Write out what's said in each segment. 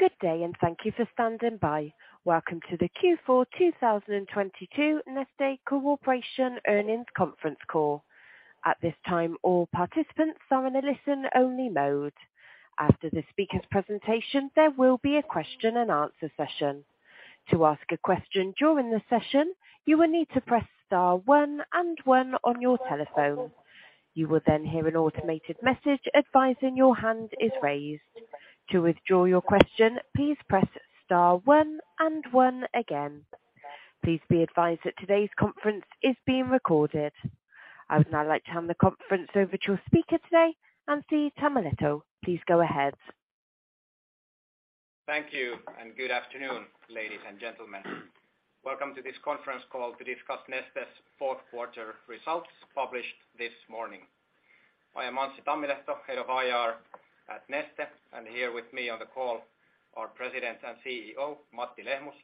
Good day. Thank you for standing by. Welcome to the Q4 2022 Neste Corporation Earnings Conference Call. At this time, all participants are in a listen only mode. After the speaker's presentation, there will be a question and answer session. To ask a question during the session, you will need to press star one and one on your telephone. You will then hear an automated message advising your hand is raised. To withdraw your question, please press star one and one again. Please be advised that today's conference is being recorded. I would now like to hand the conference over to your speaker today, Anssi Tammilehto. Please go ahead. Thank you, and good afternoon, ladies and gentlemen. Welcome to this conference call to discuss Neste's fourth quarter results published this morning. I am Anssi Tammilehto, Head of IR at Neste, and here with me on the call are President and CEO, Matti Lehmus,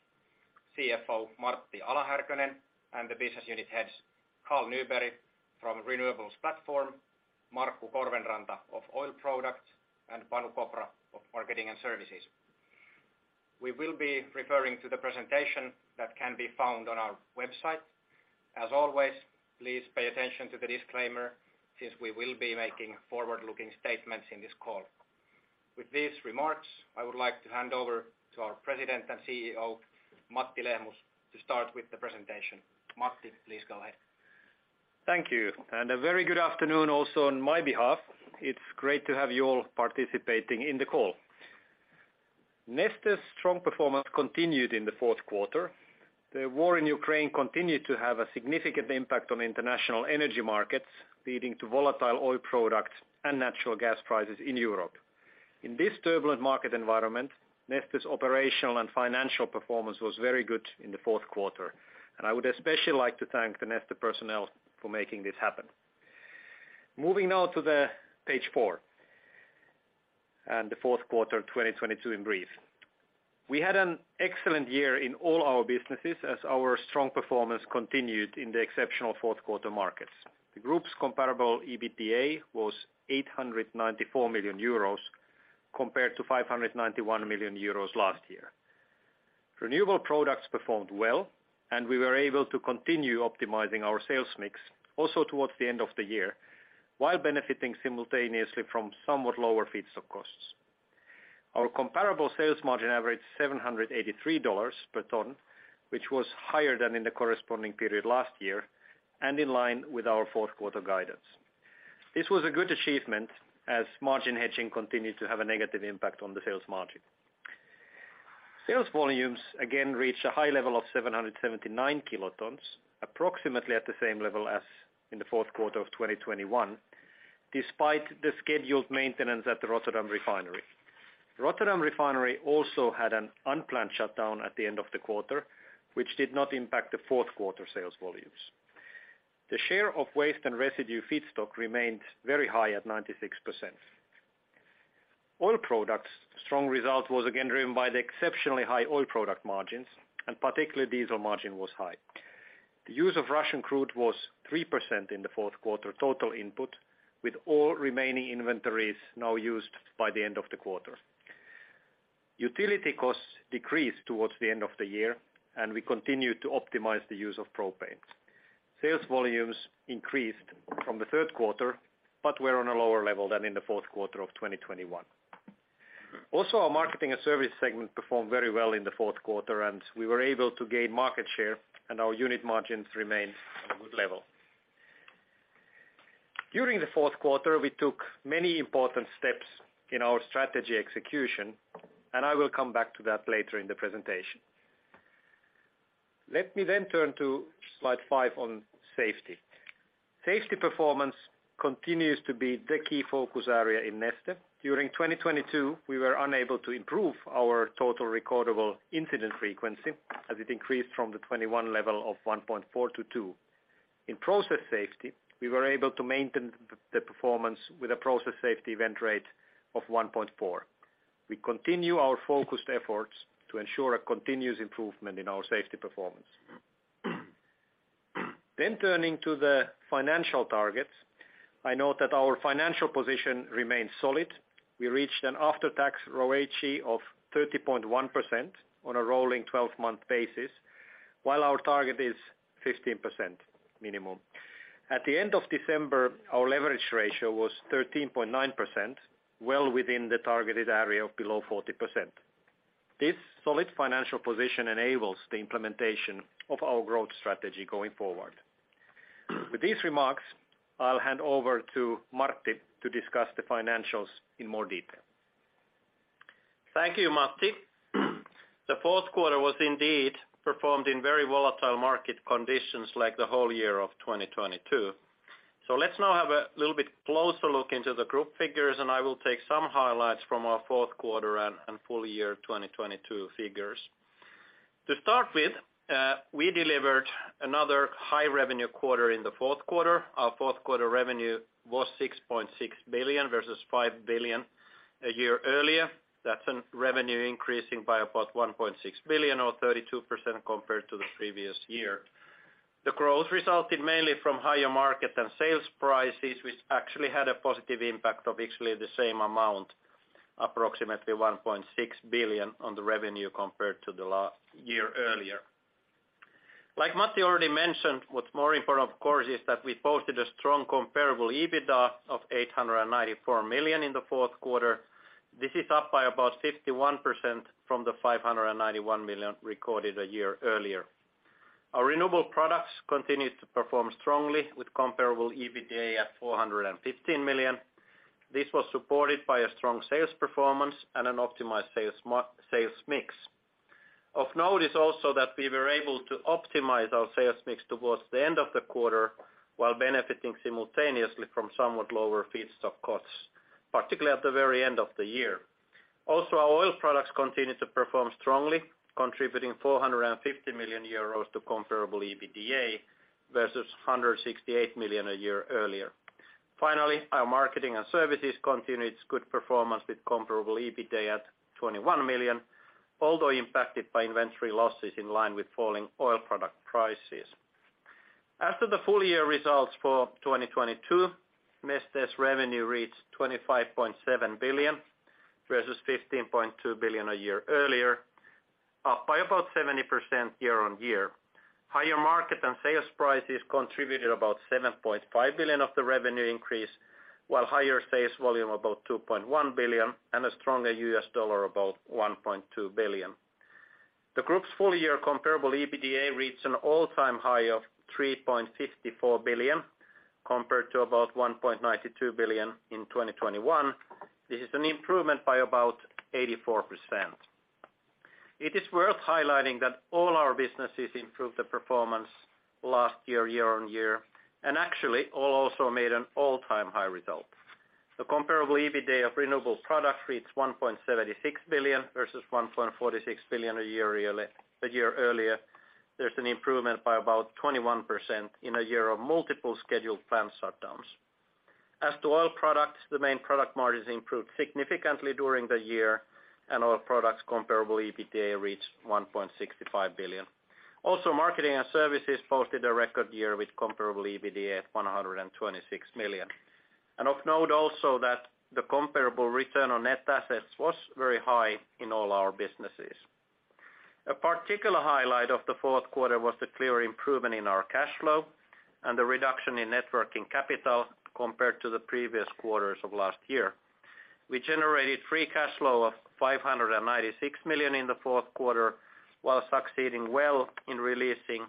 CFO, Martti Ala-Härkönen, and the business unit heads, Carl Nyberg from Renewables Platform, Markku Korvenranta of Oil Products, and Panu Kopra of Marketing & Services. We will be referring to the presentation that can be found on our website. As always, please pay attention to the disclaimer since we will be making forward-looking statements in this call. With these remarks, I would like to hand over to our President and CEO, Matti Lehmus, to start with the presentation. Matti, please go ahead. Thank you. A very good afternoon also on my behalf. It's great to have you all participating in the call. Neste's strong performance continued in the fourth quarter. The war in Ukraine continued to have a significant impact on international energy markets, leading to volatile oil products and natural gas prices in Europe. In this turbulent market environment, Neste's operational and financial performance was very good in the fourth quarter, and I would especially like to thank the Neste personnel for making this happen. Moving now to page four, and the fourth quarter 2022 in brief. We had an excellent year in all our businesses as our strong performance continued in the exceptional fourth quarter markets. The group's comparable EBITDA was 894 million euros compared to 591 million euros last year. Renewable products performed well, we were able to continue optimizing our sales mix also towards the end of the year, while benefiting simultaneously from somewhat lower feedstock costs. Our comparable sales margin averaged $783 per ton, which was higher than in the corresponding period last year and in line with our fourth quarter guidance. This was a good achievement as margin hedging continued to have a negative impact on the sales margin. Sales volumes again reached a high level of 779 kilotons, approximately at the same level as in the fourth quarter of 2021, despite the scheduled maintenance at the Rotterdam Refinery. Rotterdam Refinery also had an unplanned shutdown at the end of the quarter, which did not impact the fourth quarter sales volumes. The share of waste and residue feedstock remained very high at 96%. Oil Products strong result was again driven by the exceptionally high oil product margins, particularly diesel margin was high. The use of Russian crude was 3% in the fourth quarter total input, with all remaining inventories now used by the end of the quarter. Utility costs decreased towards the end of the year, we continued to optimize the use of propane. Sales volumes increased from the third quarter, were on a lower level than in the fourth quarter of 2021. Our Marketing and Services segment performed very well in the fourth quarter, we were able to gain market share, our unit margins remained on a good level. During the fourth quarter, we took many important steps in our strategy execution, I will come back to that later in the presentation. Let me turn to slide five on safety. Safety performance continues to be the key focus area in Neste. During 2022, we were unable to improve our total recordable incident frequency as it increased from the 21 level of 1.4 to 2. In process safety, we were able to maintain the performance with a process safety event rate of 1.4. We continue our focused efforts to ensure a continuous improvement in our safety performance. Turning to the financial targets, I note that our financial position remains solid. We reached an after-tax ROACE of 30.1% on a rolling 12-month basis, while our target is 15% minimum. At the end of December, our leverage ratio was 13.9%, well within the targeted area of below 40%. This solid financial position enables the implementation of our growth strategy going forward. With these remarks, I'll hand over to Martti to discuss the financials in more detail. Thank you, Matti. The fourth quarter was indeed performed in very volatile market conditions like the whole year of 2022. Let's now have a little bit closer look into the group figures, and I will take some highlights from our fourth quarter and full year 2022 figures. To start with, we delivered another high revenue quarter in the fourth quarter. Our fourth quarter revenue was 6.6 billion versus 5 billion a year earlier. That's an revenue increasing by about 1.6 billion or 32% compared to the previous year. The growth resulted mainly from higher market and sales prices, which actually had a positive impact of the same amount, approximately 1.6 billion, on the revenue compared to the last year earlier. Like Matti already mentioned, what's more important, of course, is that we posted a strong comparable EBITDA of 894 million in the fourth quarter. This is up by about 51% from the 591 million recorded a year earlier. Our renewable products continued to perform strongly with comparable EBITDA at 415 million. This was supported by a strong sales performance and an optimized sales mix. Of note is also that we were able to optimize our sales mix towards the end of the quarter while benefiting simultaneously from somewhat lower feedstock costs, particularly at the very end of the year. Our Oil Products continued to perform strongly, contributing 450 million euros to comparable EBITDA versus 168 million a year earlier. Finally, our Marketing & Services continued its good performance with comparable EBITDA at 21 million, although impacted by inventory losses in line with falling oil product prices. After the full year results for 2022, Neste's revenue reached 25.7 billion, versus 15.2 billion a year earlier, up by about 70% year-on-year. Higher market and sales prices contributed about 7.5 billion of the revenue increase, while higher sales volume, about 2.1 billion, and a stronger U.S. dollar, about 1.2 billion. The group's full year comparable EBITDA reached an all-time high of 3.54 billion, compared to about 1.92 billion in 2021. This is an improvement by about 84%. It is worth highlighting that all our businesses improved the performance last year-on-year, and actually all also made an all-time high result. The comparable EBITDA of renewable products reached 1.76 billion versus 1.46 billion a year earlier. There's an improvement by about 21% in a year of multiple scheduled plant shutdowns. As to Oil Products, the main product margins improved significantly during the year, and Oil Products comparable EBITDA reached 1.65 billion. Marketing & Services posted a record year with comparable EBITDA at 126 million. Of note also that the comparable return on net assets was very high in all our businesses. A particular highlight of the fourth quarter was the clear improvement in our cash flow and the reduction in net working capital compared to the previous quarters of last year. We generated free cash flow of 596 million in the fourth quarter, while succeeding well in releasing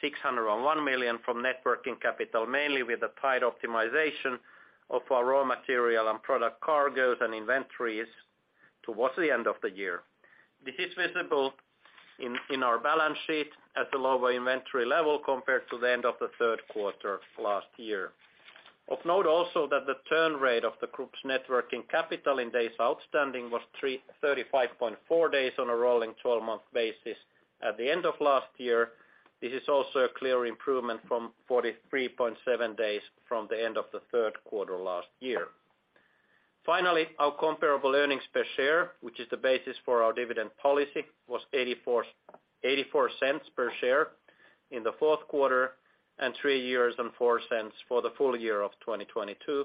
601 million from net working capital, mainly with a tight optimization of our raw material and product cargoes and inventories towards the end of the year. This is visible in our balance sheet at the lower inventory level compared to the end of the third quarter last year. Of note also that the turn rate of the group's net working capital in days outstanding was 35.4 days on a rolling 12-month basis at the end of last year. This is also a clear improvement from 43.7 days from the end of the third quarter last year. Finally, our comparable earnings per share, which is the basis for our dividend policy, was 0.84 per share in the fourth quarter and 3.04 for the full year of 2022.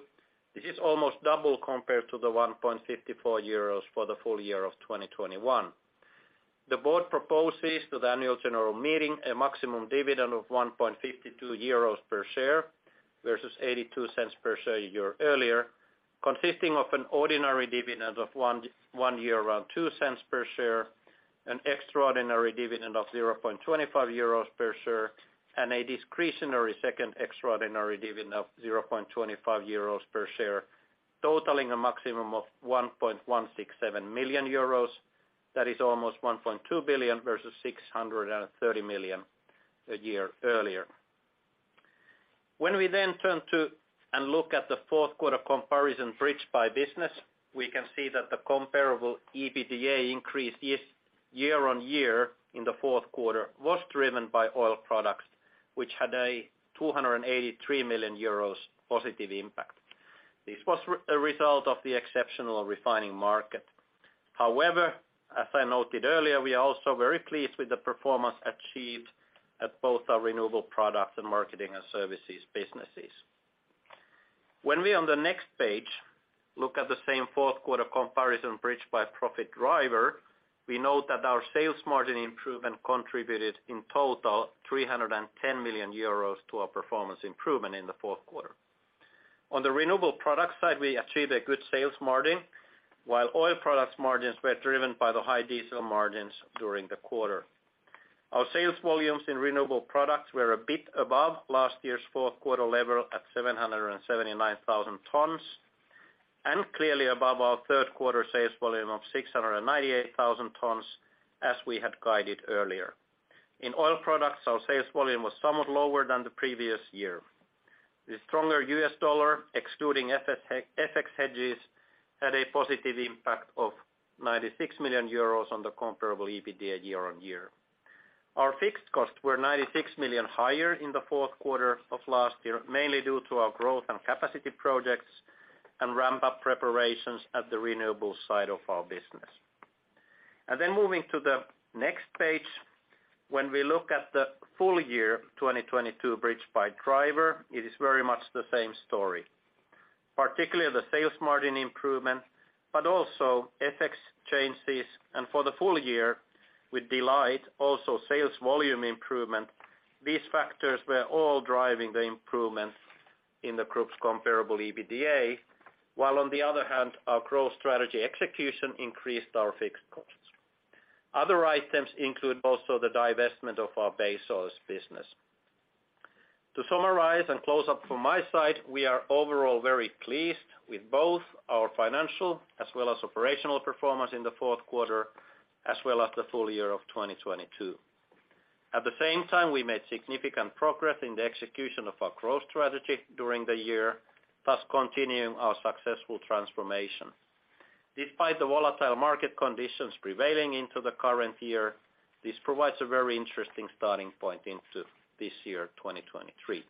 This is almost double compared to the 1.54 euros for the full year of 2021. The board proposes to the annual general meeting a maximum dividend of 1.52 euros per share, versus 0.82 per share a year earlier, consisting of an ordinary dividend of 1.02 per share, an extraordinary dividend of 0.25 euros per share, and a discretionary second extraordinary dividend of 0.25 euros per share, totaling a maximum of 1.167 million euros. That is almost 1.2 billion, versus 630 million a year earlier. We then turn to and look at the fourth quarter comparison bridged by business, we can see that the comparable EBITDA increase is year-on-year in the fourth quarter was driven by Oil Products, which had a 283 million euros positive impact. This was a result of the exceptional refining market. As I noted earlier, we are also very pleased with the performance achieved at both our renewable products and Marketing and Services businesses. We, on the next page, look at the same fourth quarter comparison bridged by profit driver, we note that our sales margin improvement contributed, in total, 310 million euros to our performance improvement in the fourth quarter. On the renewable product side, we achieved a good sales margin, while Oil Products margins were driven by the high diesel margins during the quarter. Our sales volumes in renewable products were a bit above last year's fourth quarter level at 779,000 tons, and clearly above our third quarter sales volume of 698,000 tons, as we had guided earlier. In oil products, our sales volume was somewhat lower than the previous year. The stronger US dollar, excluding FX hedges, had a positive impact of 96 million euros on the comparable EBITDA year-on-year. Our fixed costs were 96 million higher in the fourth quarter of last year, mainly due to our growth and capacity projects and ramp-up preparations at the renewables side of our business. Moving to the next page, when we look at the full year 2022 bridge by driver, it is very much the same story, particularly the sales margin improvement, but also FX changes. For the full year, with delight also sales volume improvement, these factors were all driving the improvements in the group's comparable EBITDA. While on the other hand, our growth strategy execution increased our fixed costs. Other items include also the divestment of our base oils business. To summarize and close up from my side, we are overall very pleased with both our financial as well as operational performance in the fourth quarter, as well as the full year of 2022. At the same time, we made significant progress in the execution of our growth strategy during the year, thus continuing our successful transformation. Despite the volatile market conditions prevailing into the current year, this provides a very interesting starting point into this year, 2023.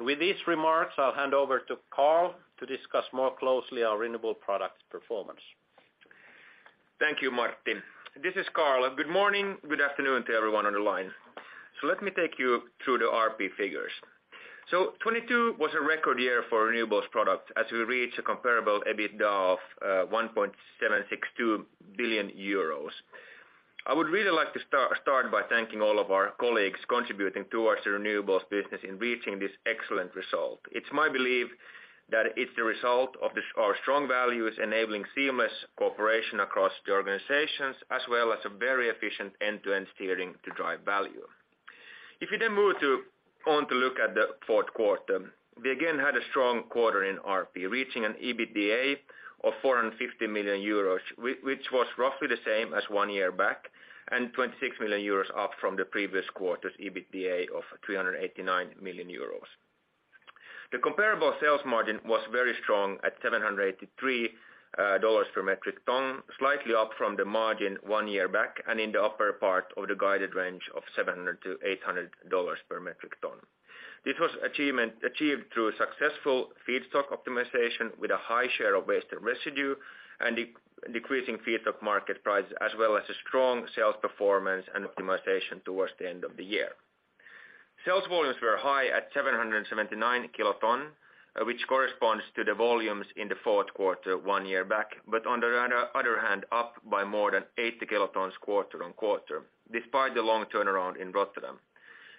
With these remarks, I'll hand over to Carl to discuss more closely our renewable products performance. Thank you, Martti. This is Carl. Good morning, good afternoon to everyone on the line. Let me take you through the RP figures. 22 was a record year for renewables products as we reached a comparable EBITDA of 1.762 billion euros. I would really like to start by thanking all of our colleagues contributing towards the renewables business in reaching this excellent result. It's my belief that it's the result of the, our strong values enabling seamless cooperation across the organizations as well as a very efficient end-to-end steering to drive value. If you then move on to look at the fourth quarter, we again had a strong quarter in RP, reaching an EBITDA of 450 million euros, which was roughly the same as 1 year back, and 26 million euros up from the previous quarter's EBITDA of 389 million euros. The comparable sales margin was very strong at $783 per metric ton, slightly up from the margin 1 year back, and in the upper part of the guided range of $700-$800 per metric ton. This was achieved through a successful feedstock optimization with a high share of waste and residue and decreasing feedstock market price, as well as a strong sales performance and optimization towards the end of the year. Sales volumes were high at 779 kilotons, which corresponds to the volumes in the fourth quarter one year back, but on the other hand, up by more than 80 kilotons quarter-on-quarter, despite the long turnaround in Rotterdam.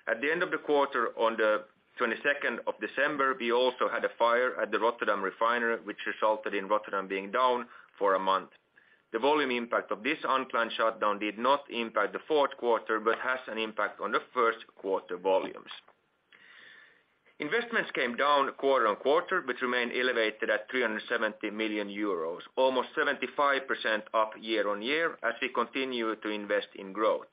At the end of the quarter, on the 22nd of December, we also had a fire at the Rotterdam refinery, which resulted in Rotterdam being down for a month. The volume impact of this unplanned shutdown did not impact the fourth quarter, but has an impact on the first quarter volumes. Investments came down quarter-on-quarter, but remained elevated at 370 million euros, almost 75% up year-on-year as we continue to invest in growth.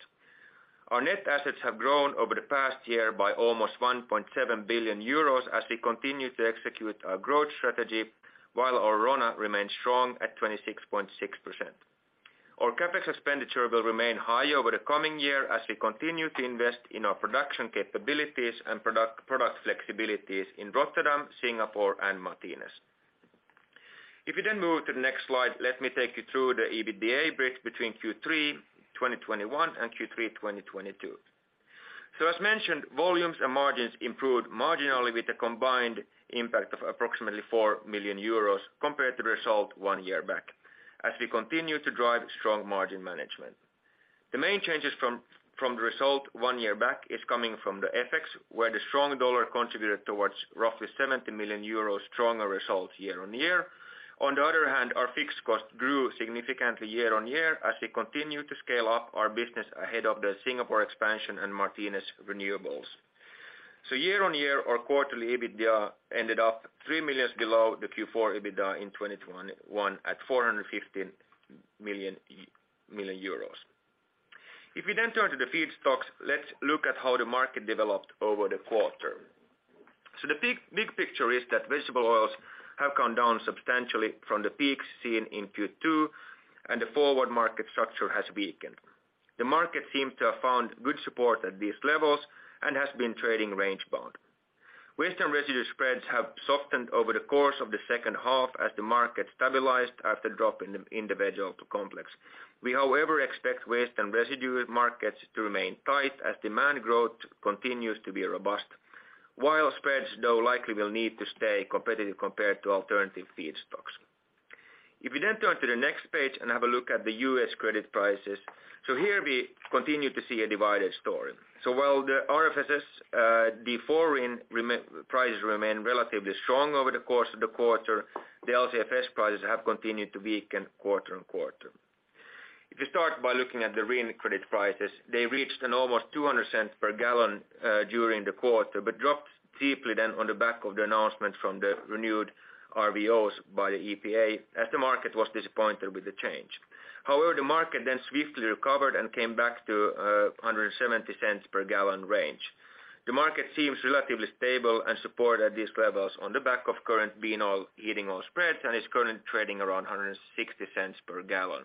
Our net assets have grown over the past year by almost 1.7 billion euros as we continue to execute our growth strategy while our RONA remains strong at 26.6%. Our CapEx expenditure will remain high over the coming year as we continue to invest in our production capabilities and product flexibilities in Rotterdam, Singapore and Martinez. If you move to the next slide, let me take you through the EBITDA bridge between Q3 2021 and Q3 2022. As mentioned, volumes and margins improved marginally with a combined impact of approximately 4 million euros compared to result one year back as we continue to drive strong margin management. The main changes from the result one year back is coming from the FX, where the strong dollar contributed towards roughly 70 million euros stronger results year-on-year. Our fixed costs grew significantly year-on-year as we continue to scale up our business ahead of the Singapore expansion and Martinez Renewables. Year-on-year, our quarterly EBITDA ended up 3 million below the Q4 EBITDA in 2021 at 450 million euros. If we turn to the feedstocks, let's look at how the market developed over the quarter. The big picture is that vegetable oils have come down substantially from the peaks seen in Q2, and the forward market structure has weakened. The market seemed to have found good support at these levels and has been trading range bound. Waste and residue spreads have softened over the course of the second half as the market stabilized after dropping the individual complex. We, however, expect waste and residue markets to remain tight as demand growth continues to be robust. Spreads, though, likely will need to stay competitive compared to alternative feedstocks. If we turn to the next page and have a look at the U.S. credit prices. Here we continue to see a divided story. While the RFS, the foreign prices remain relatively strong over the course of the quarter, the LCFS prices have continued to weaken quarter-on-quarter. If you start by looking at the RIN credit prices, they reached an almost $2.00 per gallon during the quarter, but dropped steeply then on the back of the announcement from the renewed RVOs by the EPA, as the market was disappointed with the change. The market then swiftly recovered and came back to $1.70 per gallon range. The market seems relatively stable and supported at these levels on the back of current bean oil, heating oil spreads, and is currently trading around $1.60 per gallon.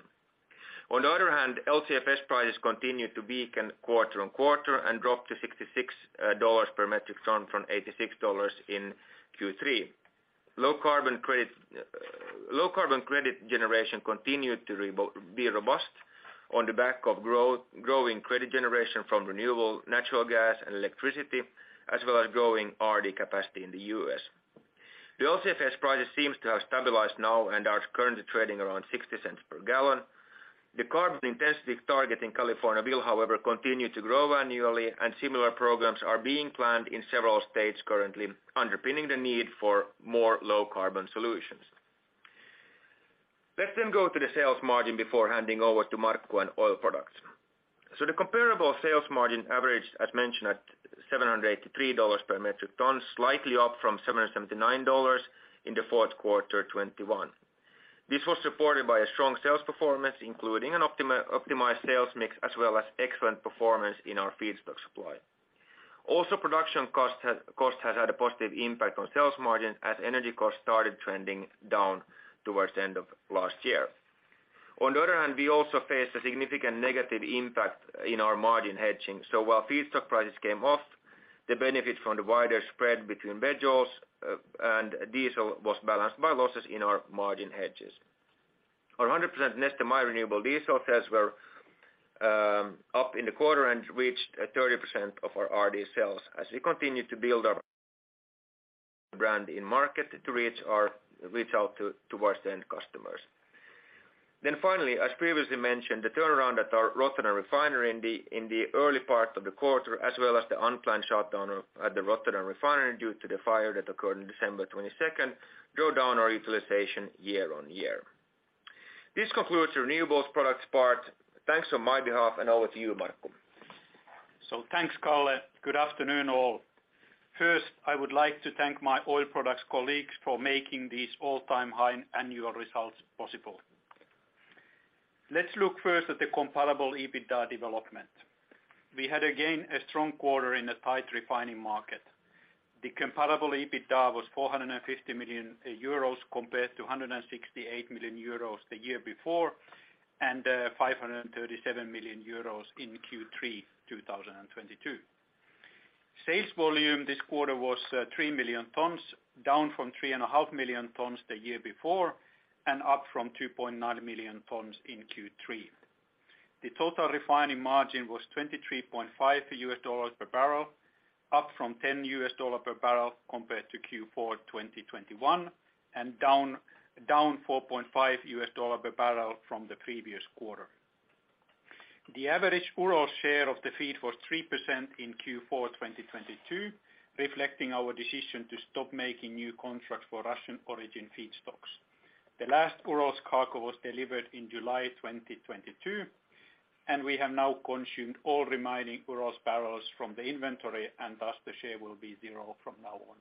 LCFS prices continued to weaken quarter-on-quarter and dropped to $66 per metric ton from $86 in Q3. Low carbon credit generation continued to be robust on the back of growing credit generation from renewable natural gas and electricity, as well as growing RD capacity in the U.S. The LCFS project seems to have stabilized now and are currently trading around $0.60 per gallon. The carbon intensity target in California will, however, continue to grow annually, and similar programs are being planned in several states currently, underpinning the need for more low carbon solutions. Let's go to the sales margin before handing over to Marco in Oil Products. The comparable sales margin average, as mentioned, at $783 per metric ton, slightly up from $779 in the fourth quarter 2021. This was supported by a strong sales performance, including an optimized sales mix as well as excellent performance in our feedstock supply. Production cost has had a positive impact on sales margin as energy costs started trending down towards the end of last year. We also faced a significant negative impact in our margin hedging. While feedstock prices came off, the benefit from the wider spread between vegetable oils and diesel was balanced by losses in our margin hedges. Our 100% Neste MY Renewable Diesel sales were up in the quarter and reached 30% of our RD sales as we continue to build our brand in market to reach out towards the end customers. Finally, as previously mentioned, the turnaround at our Rotterdam refinery in the early part of the quarter, as well as the unplanned shutdown of, at the Rotterdam refinery due to the fire that occurred in December 22nd, drove down our utilization year-on-year. This concludes renewables products part. Thanks on my behalf, and over to you, Markku Korvenranta. Thanks, Kalle. Good afternoon, all. First, I would like to thank my Oil Products colleagues for making these all-time high annual results possible. Let's look first at the comparable EBITDA development. We had again a strong quarter in a tight refining market. The comparable EBITDA was 450 million euros compared to 168 million euros the year before, and 537 million euros in Q3, 2022. Sales volume this quarter was 3 million tons, down from three and a half million tons the year before and up from 2.9 million tons in Q3. The total refining margin was $23.5 per barrel, up from $10 per barrel compared to Q4, 2021, and down $4.5 per barrel from the previous quarter. The average Urals share of the feed was 3% in Q4 2022, reflecting our decision to stop making new contracts for Russian origin feedstocks. The last Urals cargo was delivered in July 2022, and we have now consumed all remaining Urals barrels from the inventory and thus the share will be zero from now on.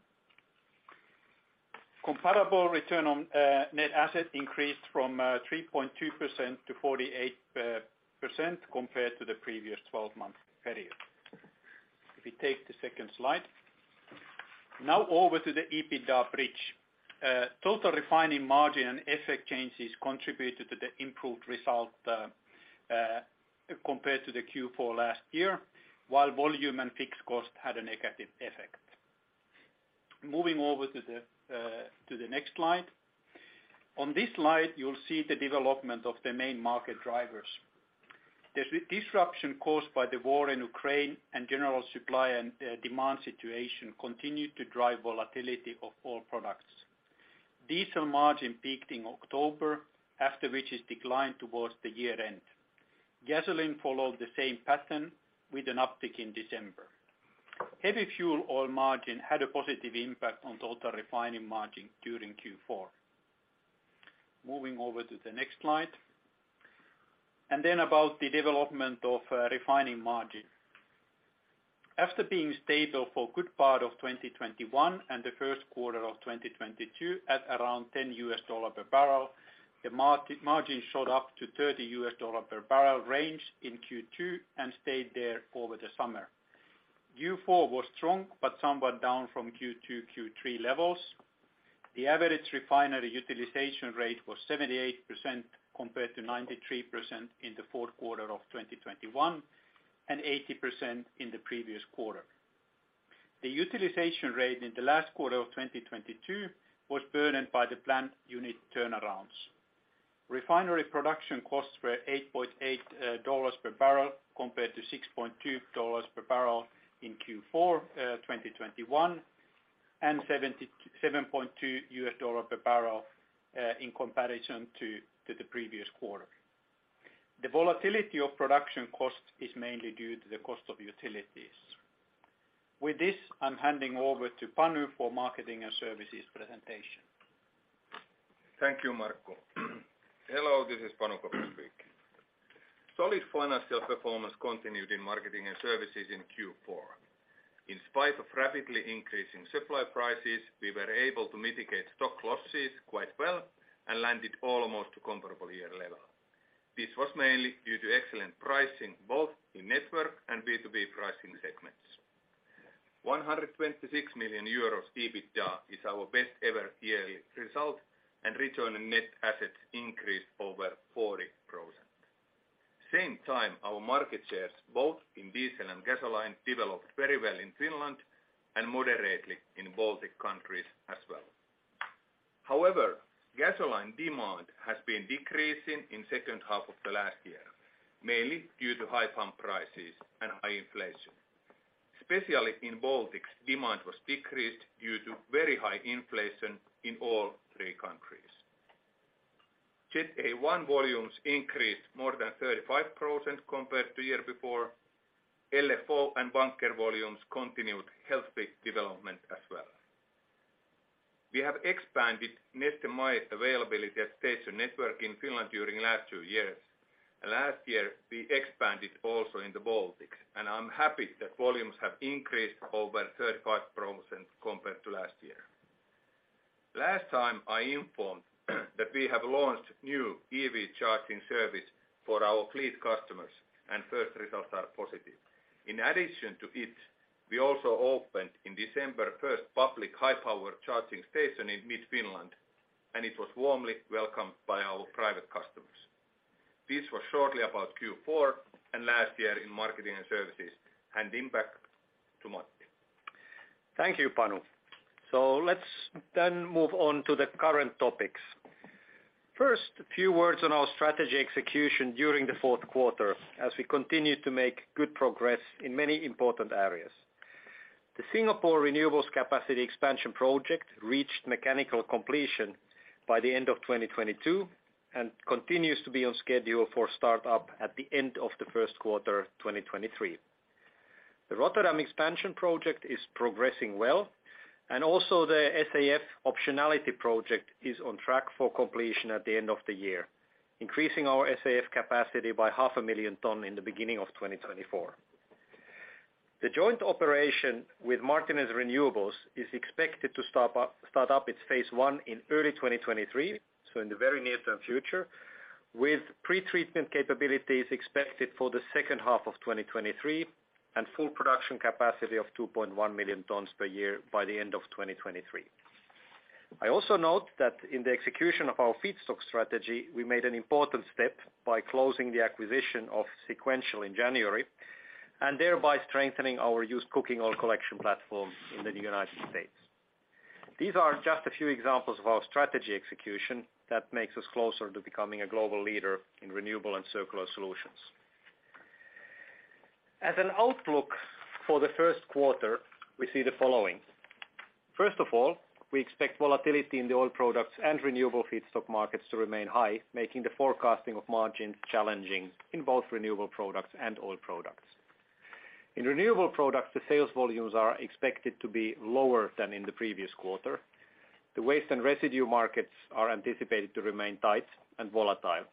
Comparable return on net assets increased from 3.2% to 48% compared to the previous 12-month period. If you take the second slide. Over to the EBITDA bridge. Total refining margin and effect changes contributed to the improved result compared to the Q4 last year, while volume and fixed cost had a negative effect. Moving over to the next slide. On this slide, you'll see the development of the main market drivers. The disruption caused by the war in Ukraine and general supply and demand situation continued to drive volatility of all products. Diesel margin peaked in October, after which it declined towards the year end. Gasoline followed the same pattern with an uptick in December. Heavy fuel oil margin had a positive impact on total refining margin during Q4. Moving over to the next slide. About the development of refining margin. After being stable for a good part of 2021 and the first quarter of 2022 at around $10 per barrel, the margin showed up to $30 per barrel range in Q2 and stayed there over the summer. Q4 was strong but somewhat down from Q2, Q3 levels. The average refinery utilization rate was 78%, compared to 93% in the fourth quarter of 2021, and 80% in the previous quarter. The utilization rate in the last quarter of 2022 was burdened by the plant unit turnarounds. Refinery production costs were $8.8 per barrel compared to $6.2 per barrel in Q4 2021, and $7.2 per barrel in comparison to the previous quarter. The volatility of production cost is mainly due to the cost of utilities. With this, I'm handing over to Panu for Marketing & Services presentation. Thank you, Marco. Hello, this is Panu Kopra speaking. Solid financial performance continued in Marketing & Services in Q4. In spite of rapidly increasing supply prices, we were able to mitigate stock losses quite well and landed almost to comparable year level. This was mainly due to excellent pricing, both in network and B2B pricing segments. 126 million euros EBITDA is our best ever yearly result, and return on net assets increased over 40%. In time, our market shares both in diesel and gasoline developed very well in Finland and moderately in Baltic countries as well. However, gasoline demand has been decreasing in second half of the last year, mainly due to high pump prices and high inflation. Especially in Baltics, demand was decreased due to very high inflation in all three countries. Jet A-1 volumes increased more than 35% compared to year before. LFO and bunker volumes continued healthy development as well. We have expanded Neste MY availability at station network in Finland during last two years. Last year, we expanded also in the Baltics, and I'm happy that volumes have increased over 35% compared to last year. Last time, I informed that we have launched new EV charging service for our fleet customers, and first results are positive. In addition to it, we also opened in December first public high-power charging station in mid-Finland, and it was warmly welcomed by our private customers. This was shortly about Q4 and last year in Marketing and Services. Handing back to Matti. Thank you, Panu. Let's then move on to the current topics. First, a few words on our strategy execution during the fourth quarter as we continue to make good progress in many important areas. The Singapore renewables capacity expansion project reached mechanical completion by the end of 2022 and continues to be on schedule for start-up at the end of the first quarter, 2023. The Rotterdam expansion project is progressing well, and also the SAF optionality project is on track for completion at the end of the year, increasing our SAF capacity by half a million ton in the beginning of 2024. The joint operation with Martinez Renewables is expected to start up its phase one in early 2023, so in the very near-term future, with pretreatment capabilities expected for the second half of 2023 and full production capacity of 2.1 million tons per year by the end of 2023. I also note that in the execution of our feedstock strategy, we made an important step by closing the acquisition of SeQuential in January, thereby strengthening our used cooking oil collection platform in the United States. These are just a few examples of our strategy execution that makes us closer to becoming a global leader in renewable and circular solutions. As an outlook for the first quarter, we see the following. First of all, we expect volatility in the Oil Products and renewable feedstock markets to remain high, making the forecasting of margins challenging in both renewable products and Oil Products. In renewable products, the sales volumes are expected to be lower than in the previous quarter. The waste and residue markets are anticipated to remain tight and volatile.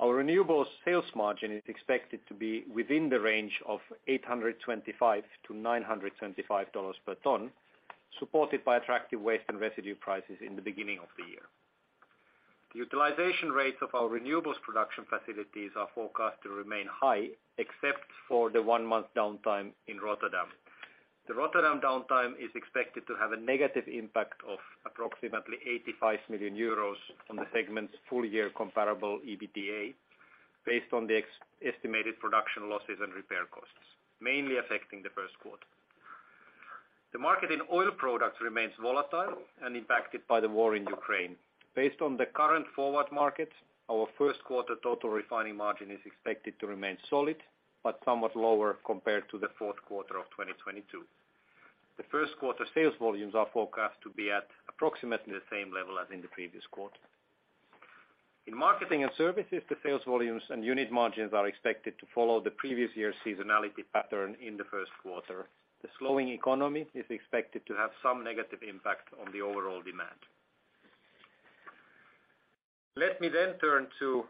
Our renewables sales margin is expected to be within the range of $825-$925 per ton, supported by attractive waste and residue prices in the beginning of the year. Utilization rates of our renewables production facilities are forecast to remain high, except for the 1-month downtime in Rotterdam. The Rotterdam downtime is expected to have a negative impact of approximately 85 million euros on the segment's full-year comparable EBITDA based on the ex-estimated production losses and repair costs, mainly affecting the first quarter. The market in Oil Products remains volatile and impacted by the war in Ukraine. Based on the current forward market, our first quarter total refining margin is expected to remain solid but somewhat lower compared to the fourth quarter of 2022. The first quarter sales volumes are forecast to be at approximately the same level as in the previous quarter. In Marketing & Services, the sales volumes and unit margins are expected to follow the previous year's seasonality pattern in the first quarter. The slowing economy is expected to have some negative impact on the overall demand. Let me turn to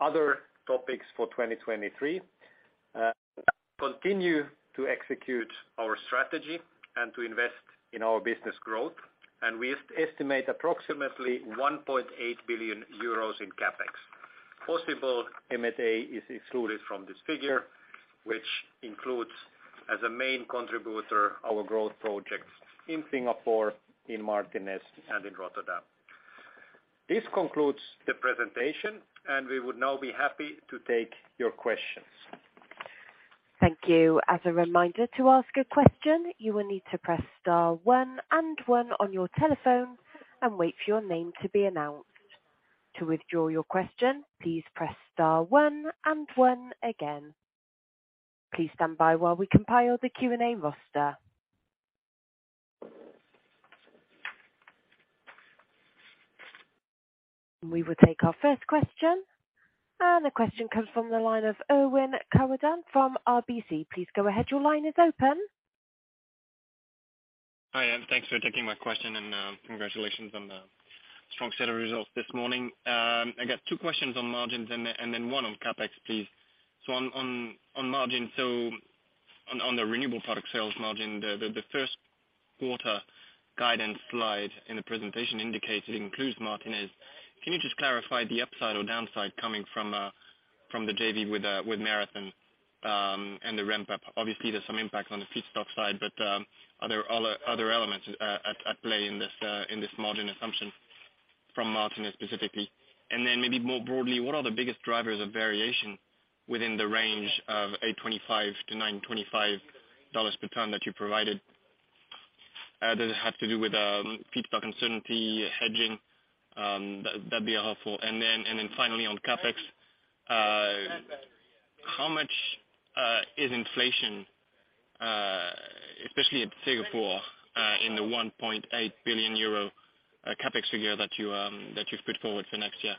other topics for 2023. Continue to execute our strategy and to invest in our business growth, and we estimate approximately 1.8 billion euros in CapEx. Possible M&S is excluded from this figure, which includes, as a main contributor, our growth projects in Singapore, in Martinez, and in Rotterdam. This concludes the presentation. We would now be happy to take your questions. Thank you. As a reminder, to ask a question, you will need to press star one and one on your telephone and wait for your name to be announced. To withdraw your question, please press star one and one again. Please stand by while we compile the Q&A roster. We will take our first question. The question comes from the line of Erwan Kerouredan from RBC. Please go ahead. Your line is open. Hi, thanks for taking my question and congratulations on the strong set of results this morning. I got two questions on margins and then one on CapEx, please. On margins, on the renewable product sales margin, the first quarter guidance slide in the presentation indicated it includes Martinez. Can you just clarify the upside or downside coming from the JV with Marathon and the ramp-up? Obviously, there's some impact on the feedstock side, but are there other elements at play in this margin assumption? From Martinez specifically. Then maybe more broadly, what are the biggest drivers of variation within the range of $825-$925 per ton that you provided? Does it have to do with feedstock uncertainty hedging? That'd be helpful. Then finally on CapEx, how much is inflation, especially at Singapore, in the 1.8 billion euro CapEx figure that you've put forward for next year?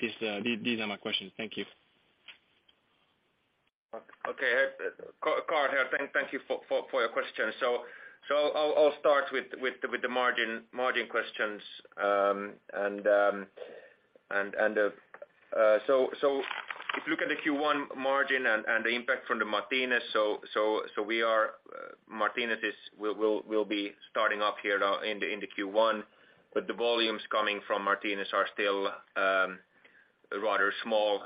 These are my questions. Thank you. Okay. Carl here. Thank you for your question. I'll start with the margin questions. If you look at the Q1 margin and the impact from Martinez is starting up here now in the Q1, but the volumes coming from Martinez are still rather small.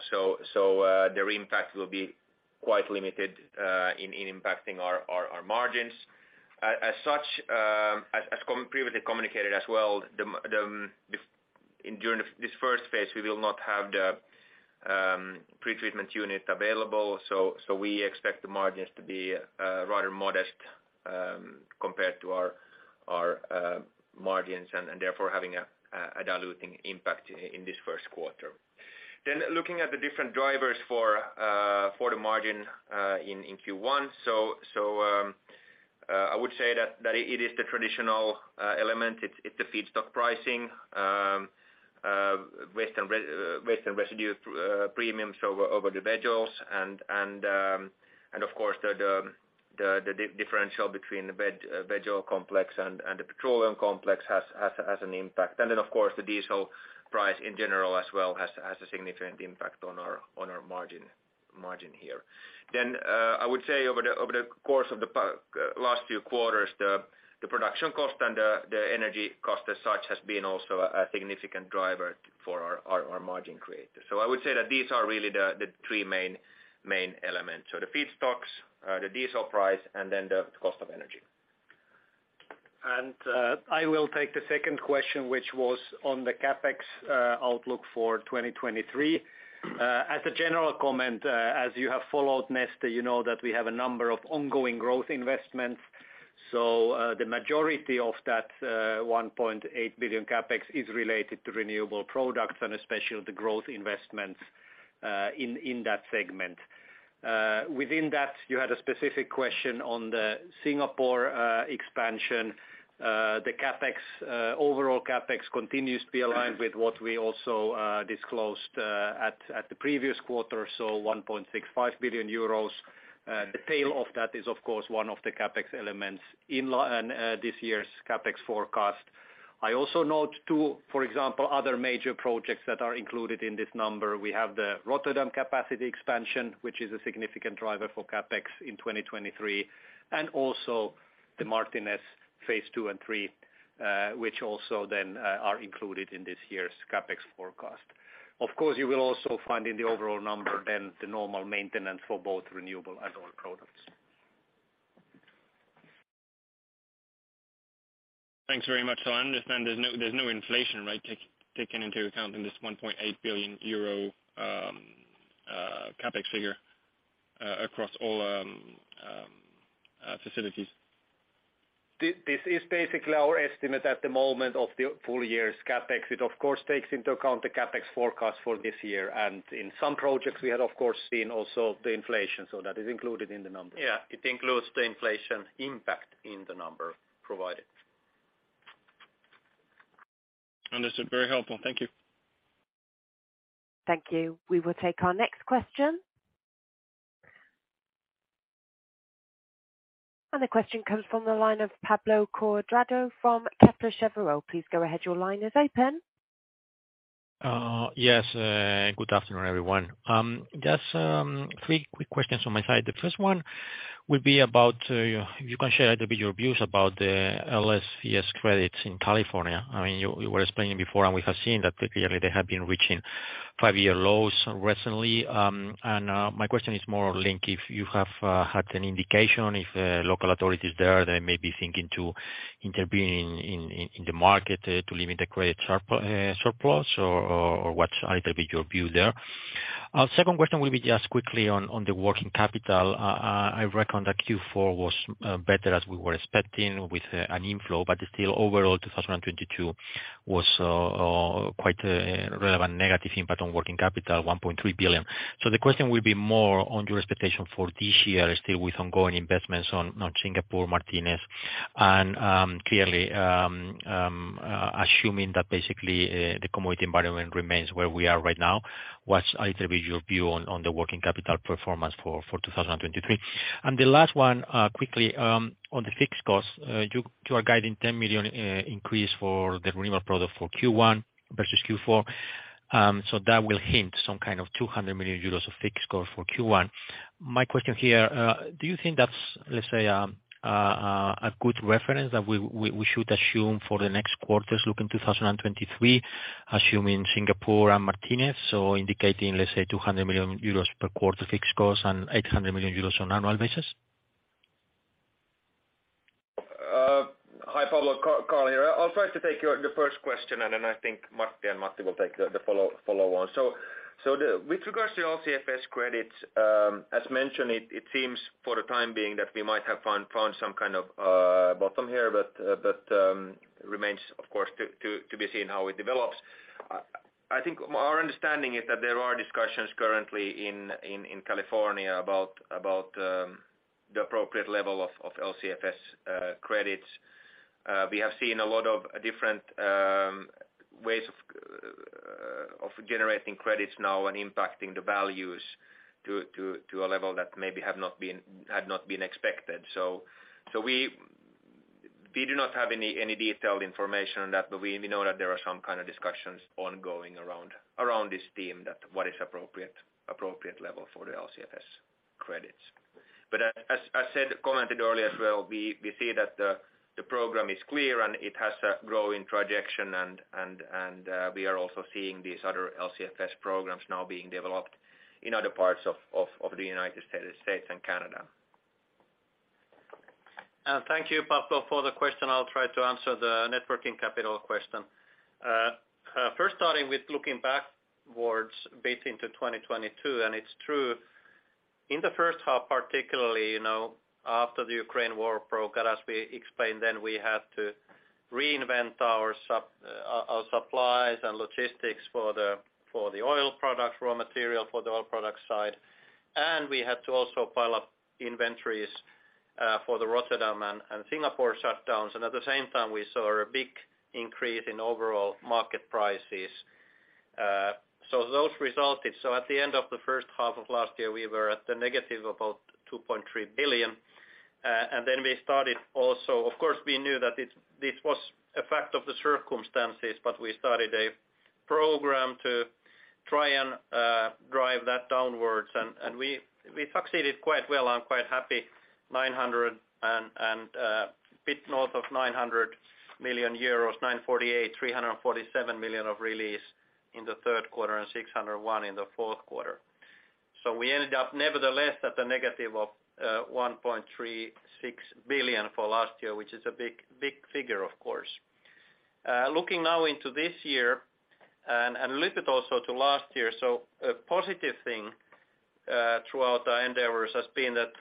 Their impact will be quite limited in impacting our margins. As such, as previously communicated as well, the, this, in during this first phase, we will not have the pretreatment unit available, so we expect the margins to be rather modest compared to our margins and therefore having a diluting impact in this first quarter. Looking at the different drivers for the margin in Q1. I would say that it is the traditional element. It's the feedstock pricing, waste and residue premiums over the vegetable oils and of course the differential between the veggie oil complex and the petroleum complex has an impact. Of course, the diesel price in general as well has a significant impact on our margin here. I would say over the course of the last few quarters, the production cost and the energy cost as such has been also a significant driver for our margin creator. I would say that these are really the three main elements. The feedstocks, the diesel price, and then the cost of energy. I will take the second question, which was on the CapEx outlook for 2023. As a general comment, as you have followed Neste, you know that we have a number of ongoing growth investments. The majority of that 1.8 billion CapEx is related to renewable products and especially the growth investments in that segment. Within that, you had a specific question on the Singapore expansion. The CapEx, overall CapEx continues to be aligned with what we also disclosed at the previous quarter, so 1.65 billion euros. The tail of that is of course one of the CapEx elements in this year's CapEx forecast. I also note too, for example, other major projects that are included in this number. We have the Rotterdam capacity expansion, which is a significant driver for CapEx in 2023, and also the Martinez phase II and III, which also then are included in this year's CapEx forecast. You will also find in the overall number then the normal maintenance for both renewable and oil products. Thanks very much. I understand there's no inflation, right, taking into account in this 1.8 billion euro CapEx figure across all facilities. This is basically our estimate at the moment of the full year's CapEx. It of course, takes into account the CapEx forecast for this year. In some projects, we had of course seen also the inflation. That is included in the number. Yeah. It includes the inflation impact in the number provided. Understood. Very helpful. Thank you. Thank you. We will take our next question. The question comes from the line of Pablo Cuadrado from Kepler Cheuvreux. Please go ahead. Your line is open. Yes. Good afternoon, everyone. Just three quick questions on my side. The first one would be about, if you can share a little bit your views about the LCFS credits in California. I mean, you were explaining before, we have seen that particularly they have been reaching five-year lows recently. My question is more linked if you have had an indication if local authorities there, they may be thinking to intervene in the market to limit the credit surplus or what's a little bit your view there. Second question will be just quickly on the working capital. I reckon that Q4 was better as we were expecting with an inflow, still overall 2022 was quite a relevant negative impact on working capital, 1.3 billion. The question will be more on your expectation for this year, still with ongoing investments on Singapore, Martinez, and clearly assuming that basically the commodity environment remains where we are right now. What's a little bit your view on the working capital performance for 2023? The last one, quickly, on the fixed costs. You are guiding 10 million increase for the renewable product for Q1 versus Q4. That will hint some kind of 200 million euros of fixed cost for Q1. My question here, do you think that's, let's say, a good reference that we should assume for the next quarters looking 2023, assuming Singapore and Martinez, so indicating, let's say 200 million euros per quarter fixed cost and 800 million euros on annual basis? Hi, Pablo. Carl here. I'll try to take your, the first question, and then I think Marty and Matty will take the follow on. With regards to LCFS credits, as mentioned, it seems for the time being that we might have found some kind of bottom here, but remains, of course, to be seen how it develops. I think our understanding is that there are discussions currently in California about the appropriate level of LCFS credits. We have seen a lot of different ways of generating credits now and impacting the values to a level that maybe had not been expected. We do not have any detailed information on that, but we know that there are some kind of discussions ongoing around this theme that what is appropriate level for the LCFS credits. As I said, commented earlier as well, we see that the program is clear, and it has a growing trajection and we are also seeing these other LCFS programs now being developed in other parts of the United States and Canada. Thank you, Pablo, for the question. I'll try to answer the networking capital question. First starting with looking backwards a bit into 2022, it's true, in the first half, particularly, you know, after the Ukraine War broke out, as we explained then, we had to reinvent our supplies and logistics for the Oil Products, raw material for the Oil Products side. We had to also pile up inventories for the Rotterdam and Singapore shutdowns. At the same time, we saw a big increase in overall market prices. Those resulted. At the end of the first half of last year, we were at the negative, about 2.3 billion. Of course, we knew that this was a fact of the circumstances, but we started a program to try and drive that downwards. We succeeded quite well. I'm quite happy, bit north of 900 million euros, 948 million, 347 million of release in the third quarter and 601 million in the fourth quarter. We ended up nevertheless at the negative of 1.36 billion for last year, which is a big, big figure, of course. Looking now into this year and a little bit also to last year, a positive thing throughout our endeavors has been that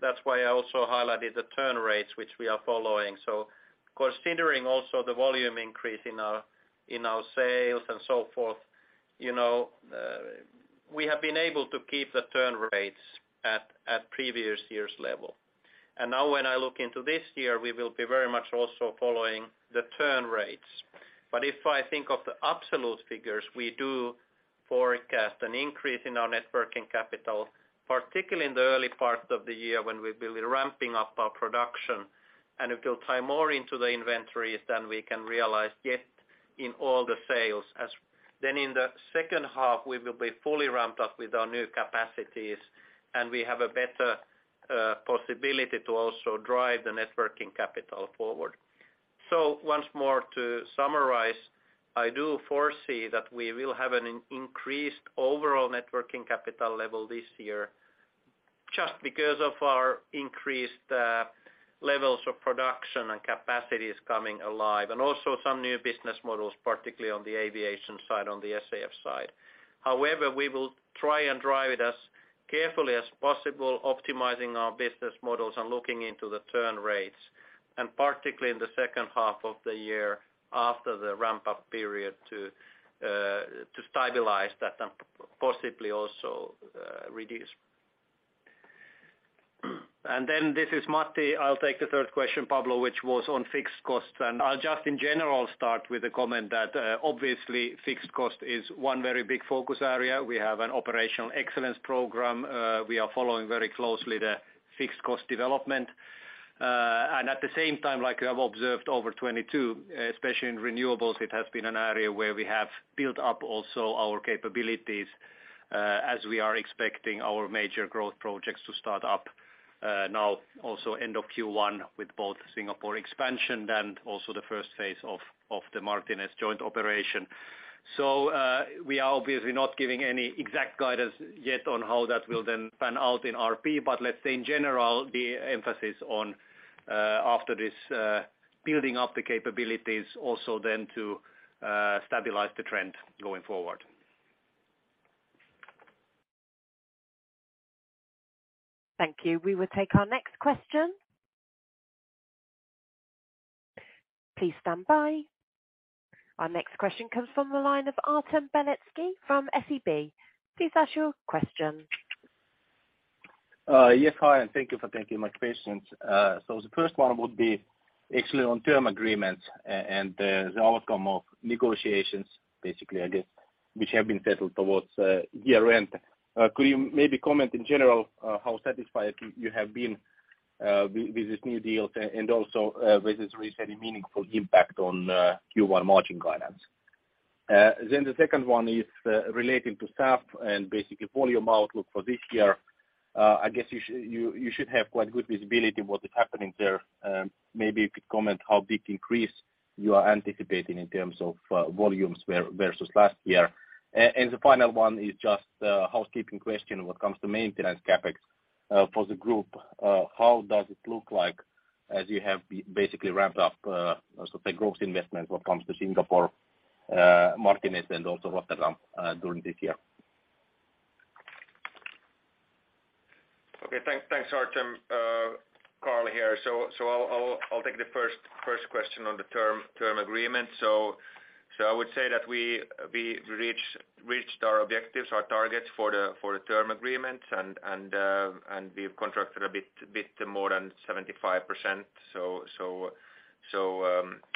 that's why I also highlighted the turn rates which we are following. Considering also the volume increase in our sales and so forth, you know, we have been able to keep the turn rates at previous years' level. Now when I look into this year, we will be very much also following the turn rates. If I think of the absolute figures, we do forecast an increase in our net working capital, particularly in the early part of the year when we will be ramping up our production, and it will tie more into the inventories than we can realize yet in all the sales. Then in the second half, we will be fully ramped up with our new capacities, and we have a better possibility to also drive the net working capital forward. Once more to summarize, I do foresee that we will have an increased overall net working capital level this year just because of our increased levels of production and capacities coming alive and also some new business models, particularly on the aviation side, on the SAF side. However, we will try and drive it as carefully as possible, optimizing our business models and looking into the turn rates, and particularly in the second half of the year after the ramp-up period to stabilize that and possibly also reduce. This is Matty. I'll take the third question, Pablo, which was on fixed costs. I'll just in general start with the comment that, obviously fixed cost is one very big focus area. We have an operational excellence program. We are following very closely the fixed cost development. At the same time, like we have observed over 2022, especially in renewables, it has been an area where we have built up also our capabilities, as we are expecting our major growth projects to start up, now also end of Q1 with both Singapore expansion and also the first phase of the Martinez joint operation. We are obviously not giving any exact guidance yet on how that will then pan out in RP, but let's say in general, the emphasis on after this building up the capabilities also then to stabilize the trend going forward. Thank you. We will take our next question. Please stand by. Our next question comes from the line of Artem Beletski from SEB. Please ask your question. Yes. Hi, thank you for taking my questions. The first one would be actually on term agreements and the outcome of negotiations, basically, I guess, which have been settled towards year-end. Could you maybe comment in general, how satisfied you have been with this new deal and also, whether there is any meaningful impact on Q1 margin guidance? The second one is relating to SAF and basically volume outlook for this year. I guess you should have quite good visibility what is happening there. Maybe you could comment how big increase you are anticipating in terms of volumes versus last year. And the final one is just a housekeeping question when it comes to maintenance CapEx for the group. How does it look like as you have basically ramped up, so the growth investment when it comes to Singapore, Martinez and also Rotterdam, during this year? Okay, thanks, Artem. Carl here. I'll take the first question on the term agreement. I would say that we reached our objectives, our targets for the term agreement and we've contracted a bit more than 75%.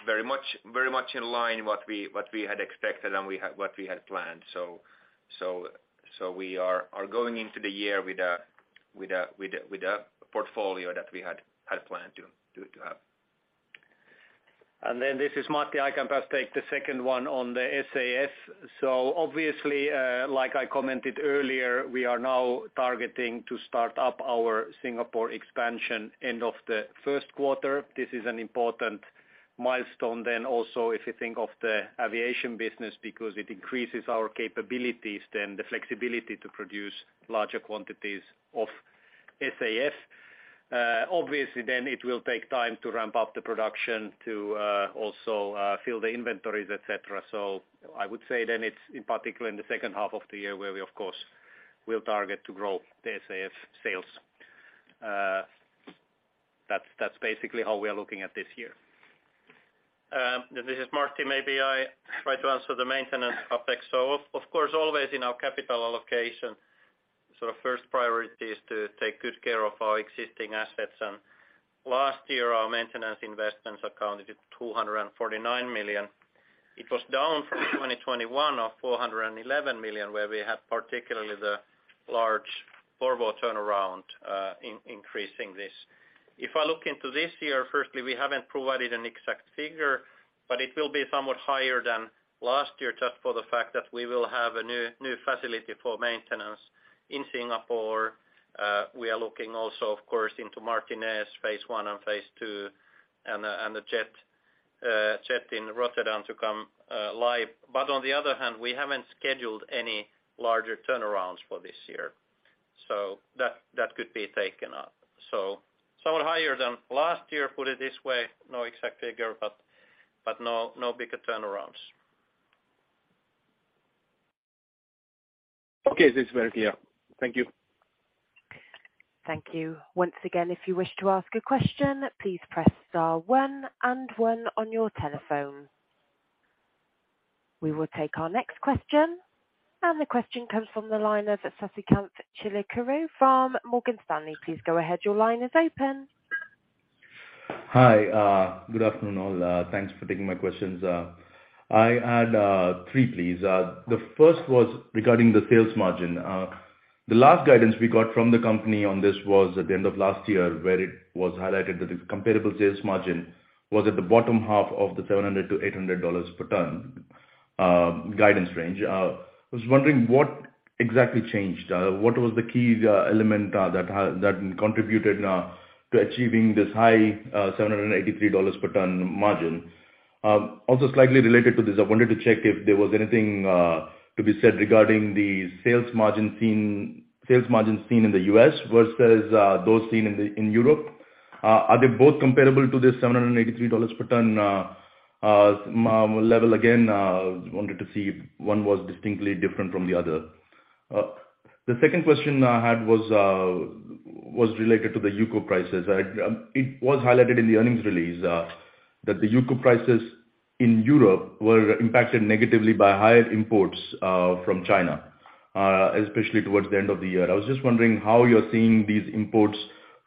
Very much in line what we had expected and what we had planned. We are going into the year with a portfolio that we had planned to have. This is Matti. I can just take the second one on the SAF. Obviously, like I commented earlier, we are now targeting to start up our Singapore expansion end of the first quarter. This is an important milestone then also if you think of the aviation business because it increases our capabilities, then the flexibility to produce larger quantities of SAF. Obviously, then it will take time to ramp up the production to also fill the inventories, et cetera. I would say then it's in particular in the second half of the year where we of course will target to grow the SAF sales. That's basically how we are looking at this year. This is Martti. Maybe I try to answer the maintenance CapEx. Of course, always in our capital allocation, our first priority is to take good care of our existing assets. Last year, our maintenance investments accounted to 249 million. It was down from 2021 of 411 million, where we had particularly the large Porvoo turnaround, increasing this. If I look into this year, firstly, we haven't provided an exact figure, but it will be somewhat higher than last year just for the fact that we will have a new facility for maintenance in Singapore. We are looking also, of course, into Martinez phase one and phase two and the jet in Rotterdam to come live. On the other hand, we haven't scheduled any larger turnarounds for this year. That could be taken up. Somewhat higher than last year, put it this way, no exact figure, but no bigger turnarounds. Okay. This is clear. Thank you. Thank you. Once again, if you wish to ask a question, please press star one and one on your telephone. We will take our next question, the question comes from the line of Sasikanth Chilukuru from Morgan Stanley. Please go ahead. Your line is open. Hi. Good afternoon, all. Thanks for taking my questions. I had three, please. The first was regarding the sales margin. The last guidance we got from the company on this was at the end of last year where it was highlighted that the comparable sales margin was at the bottom half of the $700-$800 per ton guidance range. I was wondering what exactly changed. What was the key element that contributed to achieving this high $783 per ton margin? Also slightly related to this, I wanted to check if there was anything to be said regarding the sales margin seen in the U.S. versus those seen in Europe. Are they both comparable to the $783 per ton level again? Wanted to see if one was distinctly different from the other. The second question I had was related to the UCOME prices. It was highlighted in the earnings release that the UCOME prices in Europe were impacted negatively by higher imports from China, especially towards the end of the year. I was just wondering how you're seeing these imports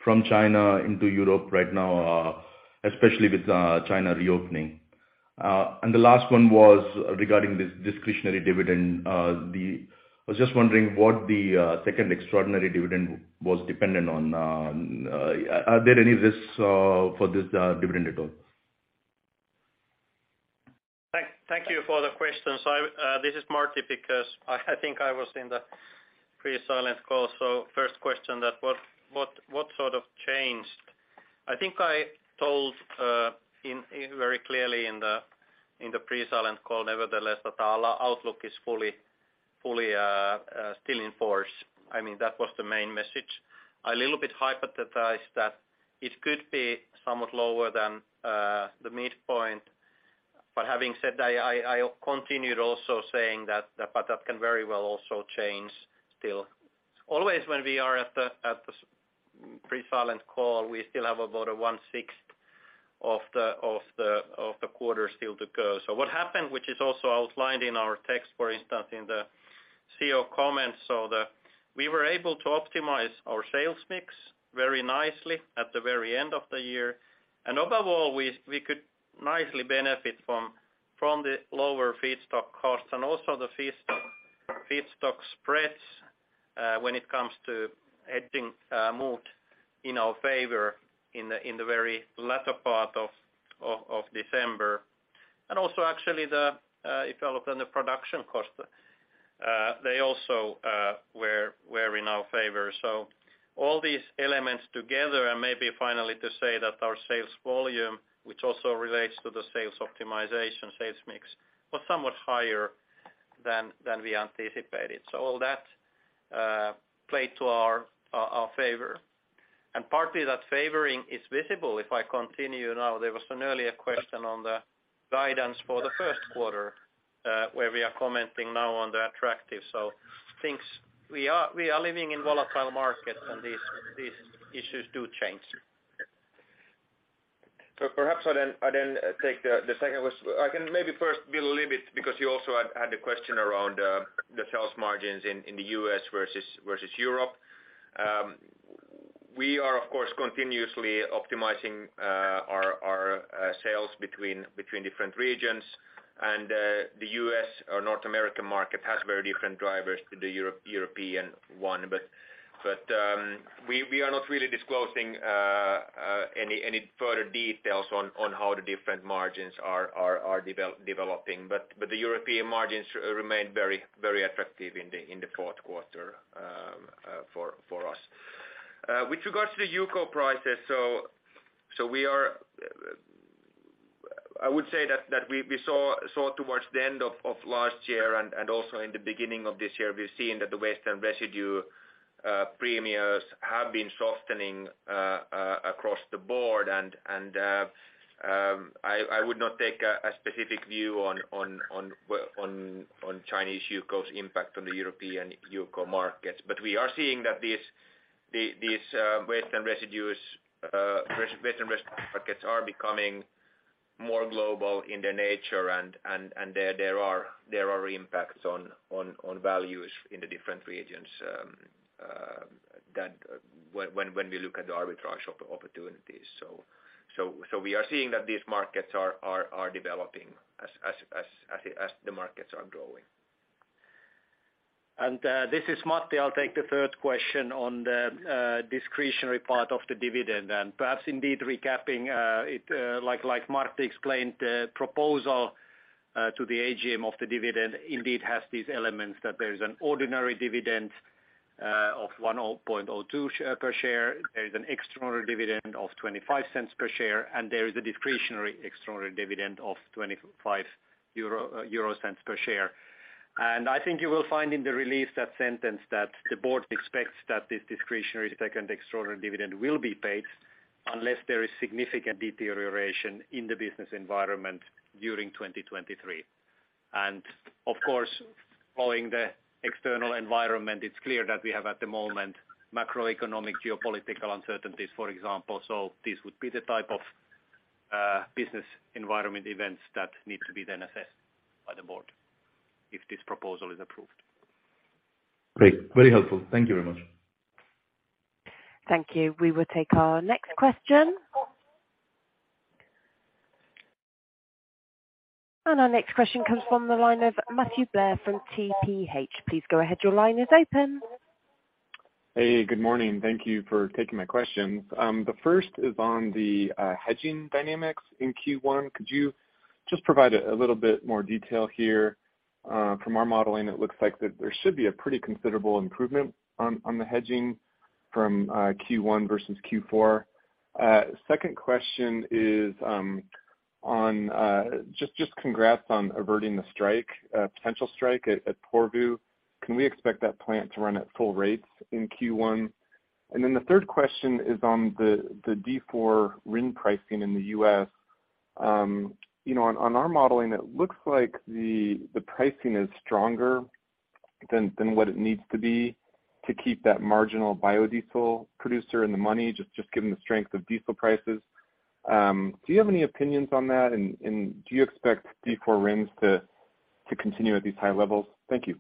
from China into Europe right now, especially with China reopening. The last one was regarding this discretionary dividend. I was just wondering what the second extraordinary dividend was dependent on. Are there any risks for this dividend at all? Thank you for the question, Sa-. This is Martti because I think I was in the pre-silent call. First question that what sort of changed? I think I told very clearly in the pre-silent call, nevertheless, that our outlook is fully still in force. I mean, that was the main message. A little bit hypothesized that it could be somewhat lower than the midpoint. Having said that, I continued also saying that, but that can very well also change still. Always when we are at the pre-silent call, we still have about one-sixth of the quarter still to go. What happened, which is also outlined in our text, for instance, in the CEO comments, We were able to optimize our sales mix very nicely at the very end of the year. Overall, we could nicely benefit from the lower feedstock costs and also the feedstock spreads, when it comes to hedging, moved in our favor in the very latter part of December. Also actually the, if you look on the production cost, they also In our favor. All these elements together, and maybe finally to say that our sales volume, which also relates to the sales optimization, sales mix, was somewhat higher than we anticipated. All that played to our favor, and partly that favoring is visible. If I continue now, there was an earlier question on the guidance for the first quarter, where we are commenting now on the attractive. Things, we are living in volatile markets, and these issues do change. Perhaps I then take the second question. I can maybe first build a little bit because you also had the question around the sales margins in the U.S. versus Europe. We are, of course, continuously optimizing our sales between different regions, and the U.S. or North American market has very different drivers to the European one. We are not really disclosing any further details on how the different margins are developing. The European margins remain very, very attractive in the fourth quarter for us. With regards to the UCO prices. We are I would say that we saw towards the end of last year and also in the beginning of this year, we've seen that the waste and residue premiums have been softening across the board. I would not take a specific view on Chinese UCO's impact on the European UCO markets. We are seeing that these waste and residues are becoming more global in their nature and there are impacts on values in the different regions that when we look at the arbitrage opportunities. We are seeing that these markets are developing as the markets are growing. This is Matti. I'll take the third question on the discretionary part of the dividend. Perhaps indeed recapping it, like Martti explained, the proposal to the AGM of the dividend indeed has these elements, that there is an ordinary dividend of 1.02 per share. There is an extraordinary dividend of 0.25 per share, and there is a discretionary extraordinary dividend of 0.25 euro per share. I think you will find in the release that sentence that the board expects that this discretionary second extraordinary dividend will be paid unless there is significant deterioration in the business environment during 2023. Of course, following the external environment, it's clear that we have, at the moment, macroeconomic geopolitical uncertainties, for example. This would be the type of business environment events that need to be then assessed by the board if this proposal is approved. Great. Very helpful. Thank you very much. Thank you. We will take our next question. Our next question comes from the line of Matthew Blair from TPH&Co. Please go ahead. Your line is open. Hey, good morning. Thank you for taking my questions. The first is on the hedging dynamics in Q1. Could you just provide a little bit more detail here? From our modeling, it looks like that there should be a pretty considerable improvement on the hedging from Q1 versus Q4. Second question is on just congrats on averting the strike, potential strike at Porvoo. Can we expect that plant to run at full rates in Q1? The third question is on the D4 RIN pricing in the U.S. You know, on our modeling, it looks like the pricing is stronger than what it needs to be to keep that marginal biodiesel producer in the money, just given the strength of diesel prices. Do you have any opinions on that, and do you expect D4 RINs to continue at these high levels? Thank you.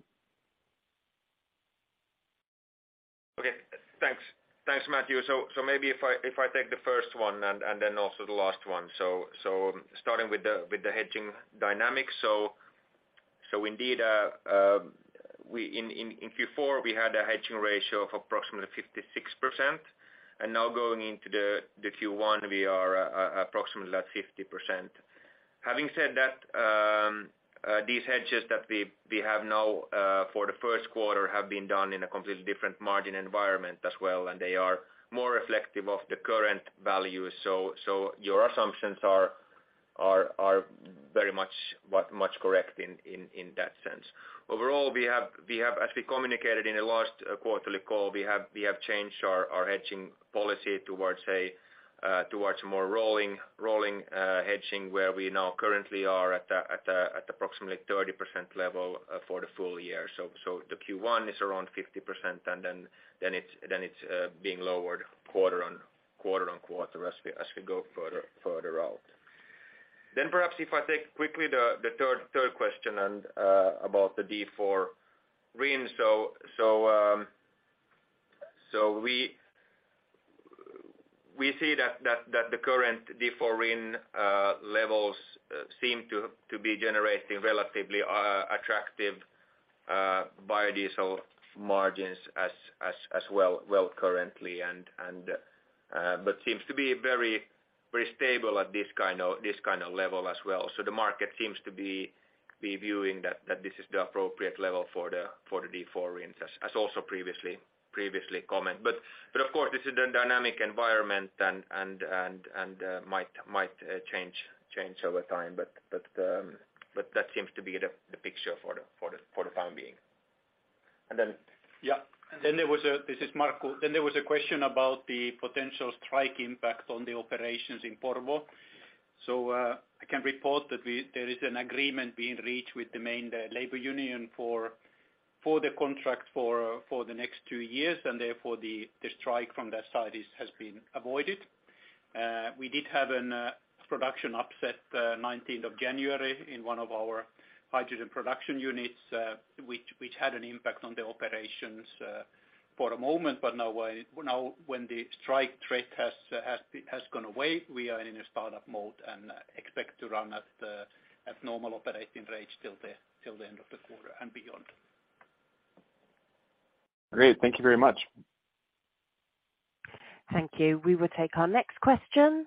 Thanks. Thanks, Matthew. Maybe if I take the first one and then also the last one. Starting with the hedging dynamics. Indeed, in Q4, we had a hedging ratio of approximately 56%, and now going into Q1, we are approximately at 50%. Having said that, these hedges that we have now for the first quarter have been done in a completely different margin environment as well. They are more reflective of the current value. Your assumptions are very much correct in that sense. Overall, we have as we communicated in the last quarterly call, we have changed our hedging policy towards more rolling hedging, where we now currently are at approximately 30% level for the full year. The Q1 is around 50%. It's being lowered quarter on quarter as we go further out. Perhaps if I take quickly the third question about the D4 RIN. We see that the current D4 RIN levels seem to be generating relatively attractive biodiesel margins as well currently, and but seems to be very stable at this kind of level as well. The market seems to be viewing that this is the appropriate level for the D4 RINs as also previously comment. Of course, this is a dynamic environment and might change over time. That seems to be the picture for the time being. Then- Yeah. This is Martti. There was a question about the potential strike impact on the operations in Porvoo. I can report that there is an agreement being reached with the main labor union for the contract for the next two years, and therefore the strike from their side has been avoided. We did have a production upset, nineteenth of January in one of our hydrogen production units, which had an impact on the operations for a moment, but now when the strike threat has gone away, we are in a startup mode and expect to run at normal operating rates till the end of the quarter and beyond. Great. Thank you very much. Thank you. We will take our next question.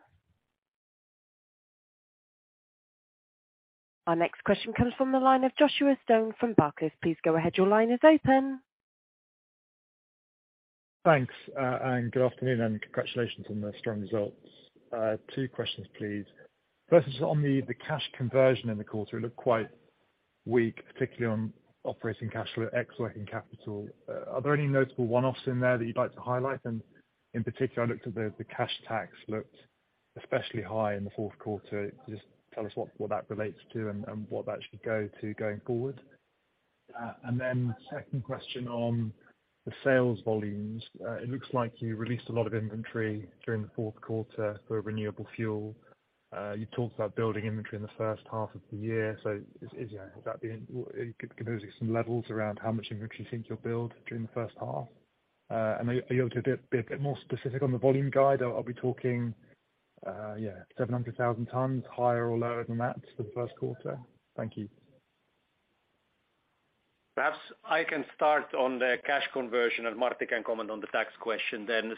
Our next question comes from the line of Joshua Stone from Barclays. Please go ahead. Your line is open. Thanks, and good afternoon, and congratulations on the strong results. Two questions, please. First is on the cash conversion in the quarter. It looked quite weak, particularly on operating cash flow ex working capital. Are there any notable one-offs in there that you'd like to highlight? In particular, I looked at the cash tax looked especially high in the fourth quarter. Just tell us what that relates to and what that should go to going forward. Second question on the sales volumes. It looks like you released a lot of inventory during the fourth quarter for renewable fuel. You talked about building inventory in the first half of the year. Is that the can you give us some levels around how much inventory you think you'll build during the first half? Are you able to be a bit more specific on the volume guide? Are we talking, yeah, 700,000 tons higher or lower than that for the first quarter? Thank you. Perhaps I can start on the cash conversion, and Martti can comment on the tax question then.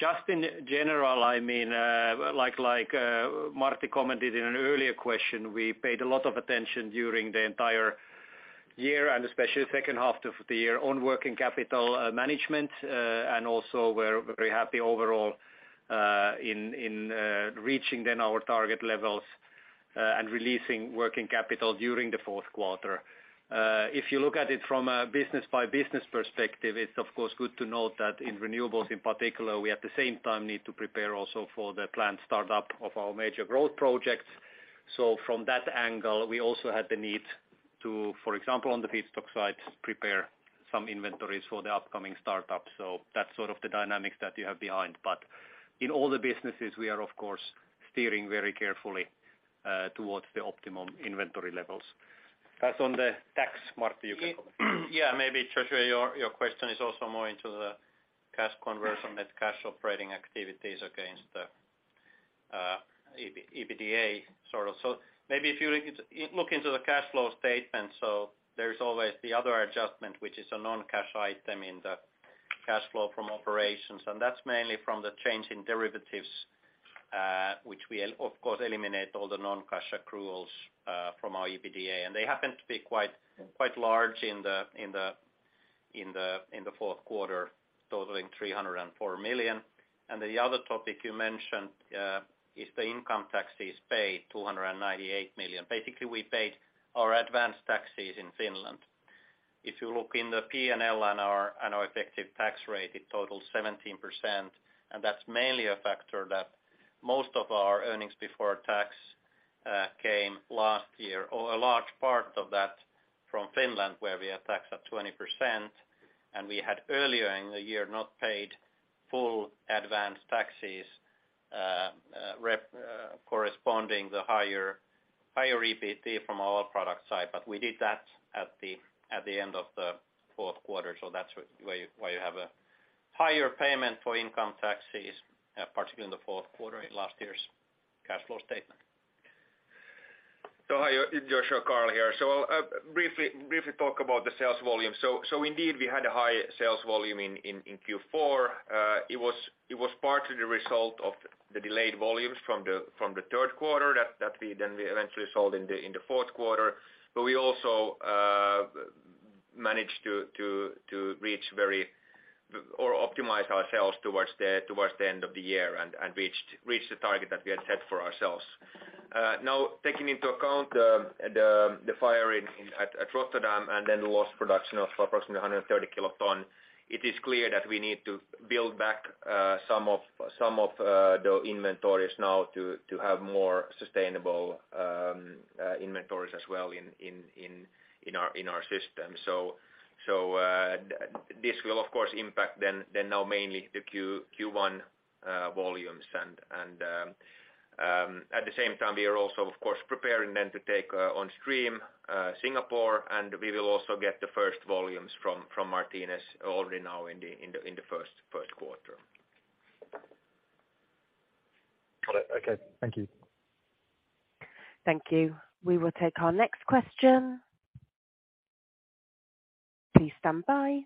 Just in general, I mean, like, Martti commented in an earlier question, we paid a lot of attention during the entire year, and especially the second half of the year, on working capital management. And also we're very happy overall, in, reaching then our target levels, and releasing working capital during the fourth quarter. If you look at it from a business-by-business perspective, it's of course good to note that in Renewables in particular, we at the same time need to prepare also for the planned startup of our major growth projects. From that angle, we also had the need to, for example, on the feedstock side, prepare some inventories for the upcoming startup. That's sort of the dynamics that you have behind. In all the businesses, we are of course steering very carefully towards the optimum inventory levels. As on the tax, Martti, you can comment. Yeah, maybe, Joshua, your question is also more into the cash conversion, net cash operating activities against the EBITDA sort of. Maybe if you look into the cash flow statement, so there's always the other adjustment, which is a non-cash item in the cash flow from operations, and that's mainly from the change in derivatives, which we of course eliminate all the non-cash accruals from our EBITDA. They happen to be quite large in the fourth quarter, totaling 304 million. The other topic you mentioned is the income taxes paid, 298 million. Basically, we paid our advanced taxes in Finland. If you look in the P&L and our effective tax rate, it totals 17%. That's mainly a factor that most of our earnings before tax came last year, or a large part of that from Finland, where we are taxed at 20%. We had earlier in the year not paid full advanced taxes corresponding the higher EBT from our Oil Products side. We did that at the end of the fourth quarter. That's why you have a higher payment for income taxes particularly in the fourth quarter in last year's cash flow statement. Hi, Joshua, Carl here. I'll briefly talk about the sales volume. Indeed, we had a high sales volume in Q4. It was partly the result of the delayed volumes from the third quarter that we then eventually sold in the fourth quarter. We also managed to reach very or optimize ourselves towards the end of the year and reached the target that we had set for ourselves. Now, taking into account the fire in, at Rotterdam and then the lost production of approximately 130 kiloton, it is clear that we need to build back some of the inventories now to have more sustainable inventories as well in our system. This will of course impact then now mainly the Q1 volumes. At the same time, we are also of course preparing then to take on stream Singapore, and we will also get the first volumes from Martinez already now in the first quarter. Got it. Okay. Thank you. Thank you. We will take our next question. Please stand by.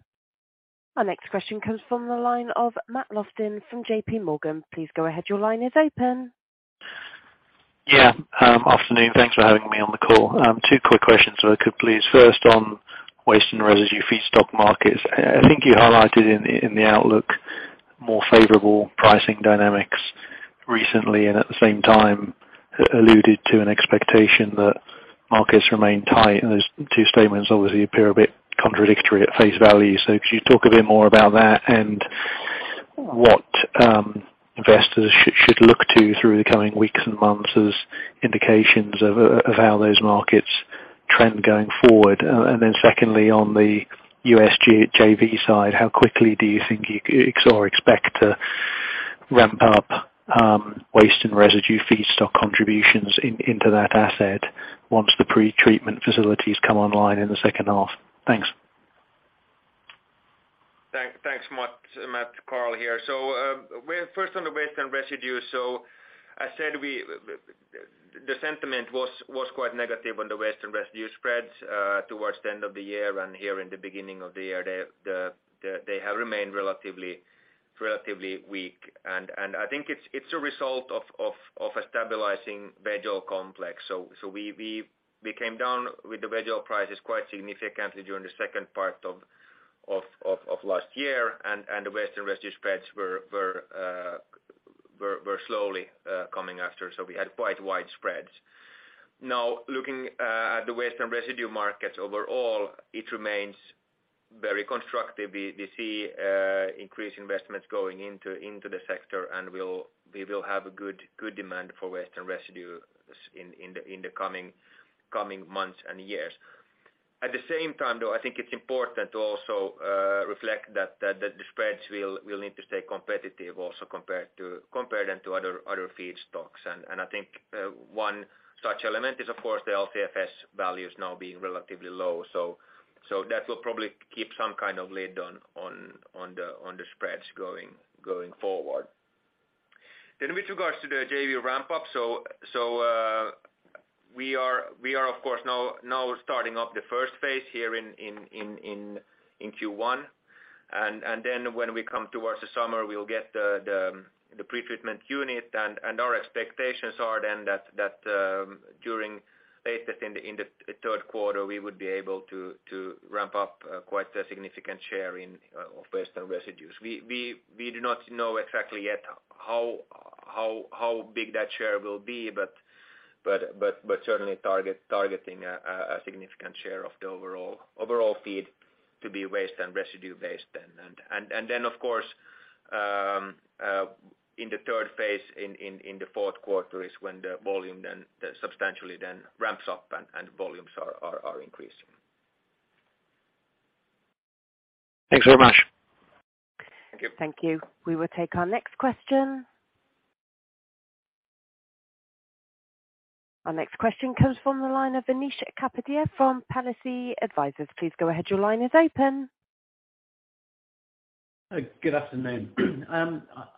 Our next question comes from the line of Matthew Lofting from J.P. Morgan. Please go ahead. Your line is open. Yeah. Afternoon. Thanks for having me on the call. Two quick questions if I could, please. First on waste and residue feedstock markets. I think you highlighted in the outlook more favorable pricing dynamics recently and at the same time, alluded to an expectation that markets remain tight. Those two statements obviously appear a bit contradictory at face value. Could you talk a bit more about that and what, investors should look to through the coming weeks and months as indications of how those markets trend going forward? Secondly, on the U.S. JV side, how quickly do you think you or expect to ramp up, waste and residue feedstock contributions in, into that asset once the pretreatment facilities come online in the second half? Thanks. Thanks, Matt. Matt, Carl here. Well, first on the waste and residue. I said we. The sentiment was quite negative on the waste and residue spreads towards the end of the year and here in the beginning of the year. They have remained relatively weak. I think it's a result of a stabilizing VGO complex. We came down with the VGO prices quite significantly during the second part of last year and the waste and residue spreads were slowly coming after, so we had quite wide spreads. Looking at the waste and residue markets overall, it remains very constructive. We see increased investments going into the sector, and we will have good demand for waste and residue in the coming months and years. At the same time, though, I think it's important to also reflect that the spreads will need to stay competitive also compared to them to other feedstocks. I think one such element is of course the LCFS values now being relatively low. That will probably keep some kind of lid on the spreads going forward. With regards to the JV ramp up, we are of course now starting up the first phase here in Q1. Then when we come towards the summer, we'll get the pretreatment unit. Our expectations are then that, during latest in the third quarter, we would be able to ramp up quite a significant share of waste and residues. We do not know exactly yet how big that share will be, but certainly targeting a significant share of the overall feed to be waste and residue based then. Then of course, in the third phase, in the fourth quarter is when the volume then substantially then ramps up and volumes are increasing. Thanks very much. Thank you. Thank you. We will take our next question. Our next question comes from the line of Anish Kapadia from Palissy Advisors. Please go ahead. Your line is open. good afternoon.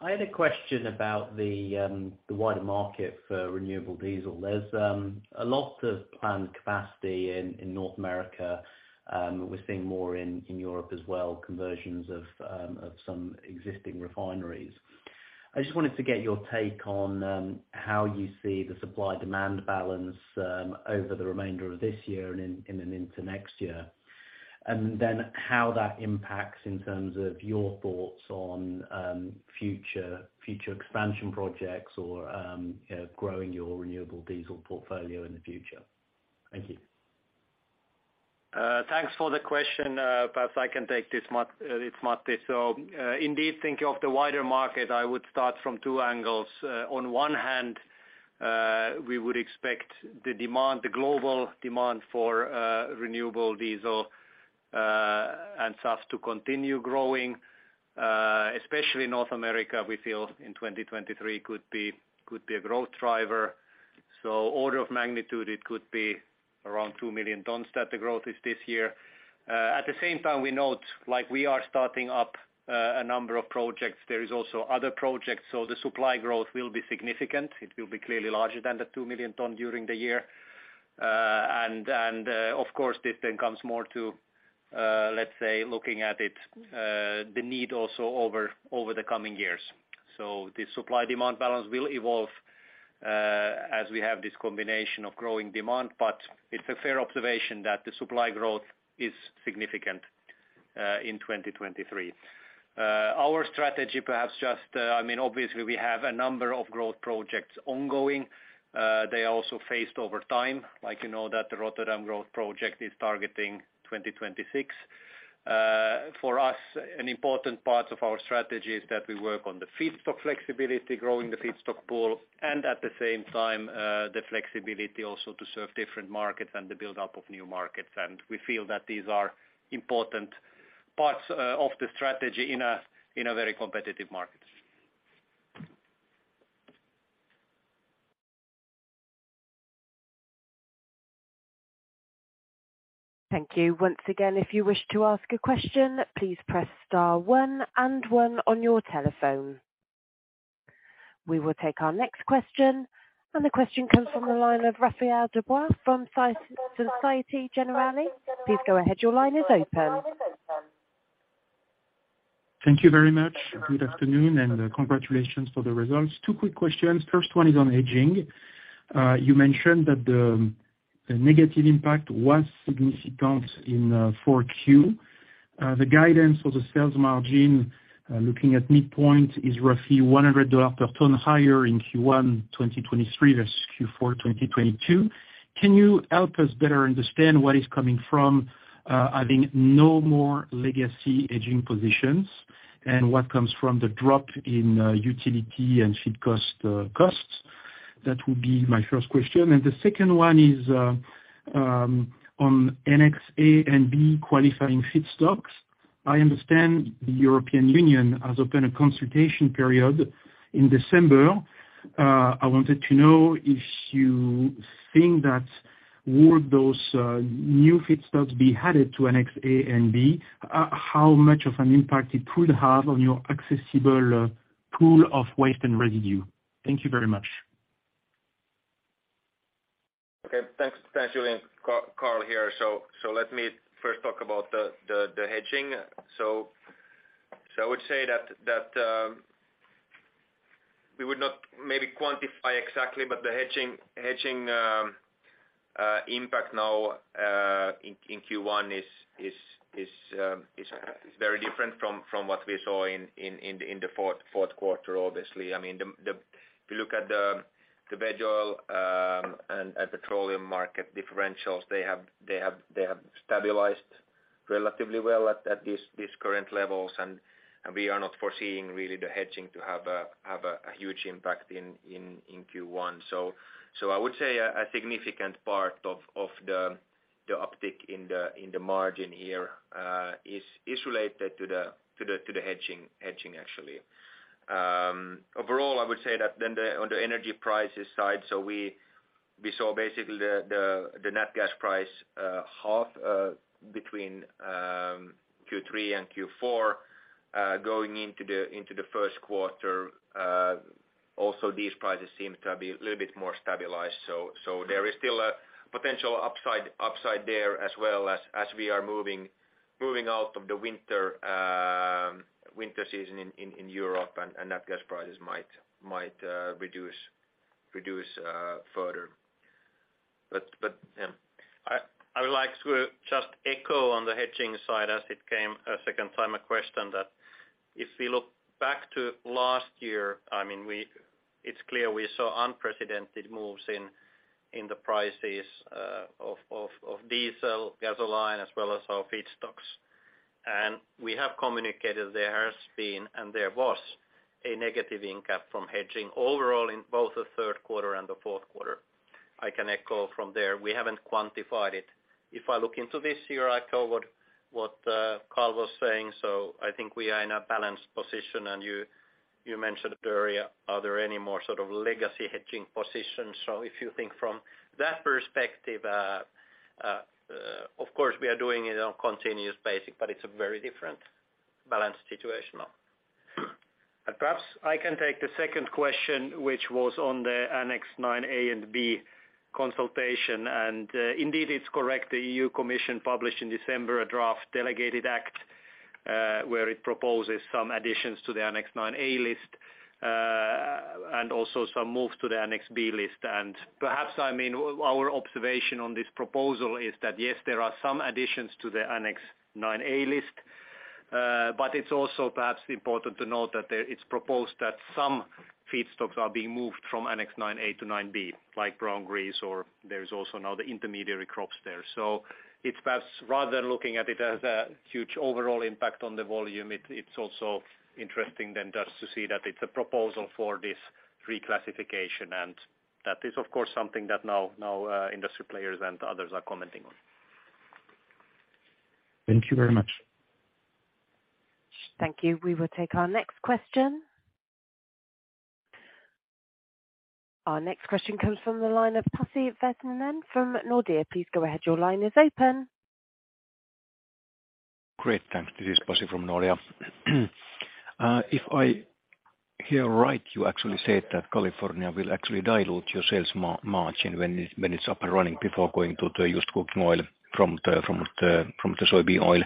I had a question about the wider market for renewable diesel. There's a lot of planned capacity in North America, and we're seeing more in Europe as well, conversions of some existing refineries. I just wanted to get your take on how you see the supply-demand balance over the remainder of this year and then into next year. Then how that impacts in terms of your thoughts on future expansion projects or, you know, growing your renewable diesel portfolio in the future. Thank you. Thanks for the question. Perhaps I can take this, Matt, it's Matti. Indeed, thinking of the wider market, I would start from two angles. On one hand, we would expect the demand, the global demand for renewable diesel and such to continue growing, especially in North America, we feel in 2023 could be a growth driver. Order of magnitude, it could be around 2 million tons that the growth is this year. At the same time, we note, like we are starting up a number of projects, there is also other projects. The supply growth will be significant. It will be clearly larger than the 2 million ton during the year. Uh, and, uh, of course, this then comes more to, uh, let's say, looking at it, uh, the need also over the coming years. So the supply-demand balance will evolve, uh, as we have this combination of growing demand, but it's a fair observation that the supply growth is significant, uh, in twenty twenty-three. Uh, our strategy perhaps just, uh, I mean, obviously we have a number of growth projects ongoing. Uh, they are also phased over time. Like you know that the Rotterdam growth project is targeting twenty twenty-six. Uh, for us, an important part of our strategy is that we work on the feedstock flexibility, growing the feedstock pool, and at the same time, uh, the flexibility also to serve different markets and the buildup of new markets. We feel that these are important parts of the strategy in a very competitive market. Thank you. Once again, if you wish to ask a question, please press star one and one on your telephone. We will take our next question. The question comes from the line of Raphaël Dubois from Société Générale. Please go ahead. Your line is open. Thank you very much. Good afternoon, and congratulations for the results. Two quick questions. First one is on hedging. You mentioned that the negative impact was significant in 4Q. The guidance for the sales margin, looking at midpoint is roughly $100 per ton higher in Q1 2023 versus Q4 2022. Can you help us better understand where it's coming from, having no more legacy hedging positions, and what comes from the drop in utility and feed costs? That would be my first question. The second one is on Annex A and B qualifying feedstocks. I understand the European Union has opened a consultation period in December. I wanted to know if you think that would those new feedstocks be added to Annex A and B, how much of an impact it could have on your accessible pool of waste and residue? Thank you very much. Okay. Thanks. Thanks, Raphael. Carl here. Let me first talk about the hedging. I would say that we would not maybe quantify exactly, but the hedging impact now in Q1 is very different from what we saw in the fourth quarter, obviously. I mean, the If you look at the veg oil and petroleum market differentials, they have stabilized relatively well at this current levels, and we are not foreseeing really the hedging to have a huge impact in Q1. I would say a significant part of the uptick in the margin here is related to the hedging actually. Overall, I would say that then the, on the energy prices side, we saw basically the net gas price half between Q3 and Q4, going into the first quarter. These prices seem to be a little bit more stabilized. There is still a potential upside there as well as we are moving out of the winter season in Europe, and net gas prices might reduce further. But. I would like to just echo on the hedging side as it came a second time, a question that if we look back to last year, I mean, it's clear we saw unprecedented moves in the prices of diesel, gasoline, as well as our feedstocks. We have communicated there has been, and there was a negative income from hedging overall in both the third quarter and the fourth quarter. I can echo from there. We haven't quantified it. If I look into this year, I echo what Carl was saying. I think we are in a balanced position. You mentioned earlier, are there any more sort of legacy hedging positions? If you think from that perspective, of course we are doing it on continuous basis, but it's a very different balanced situation now. Perhaps I can take the second question, which was on the Annex 9A and B consultation. Indeed, it's correct. The EU Commission published in December a draft delegated act, where it proposes some additions to the Annex 9A list, and also some moves to the Annex B list. Perhaps, I mean, our observation on this proposal is that, yes, there are some additions to the Annex 9A list, but it's also perhaps important to note that it's proposed that some feedstocks are being moved from Annex 9A to 9B, like brown grease or there's also now the intermediate crops there. It's perhaps rather looking at it as a huge overall impact on the volume. It's also interesting than just to see that it's a proposal for this reclassification. That is, of course, something that now industry players and others are commenting on. Thank you very much. Thank you. We will take our next question. Our next question comes from the line of Pasi Väisänen from Nordea. Please go ahead. Your line is open. Great. Thanks. This is Pasi from Nordea. If I hear right, you actually said that California will actually dilute your sales margin when it's up and running before going to the used cooking oil from the soybean oil.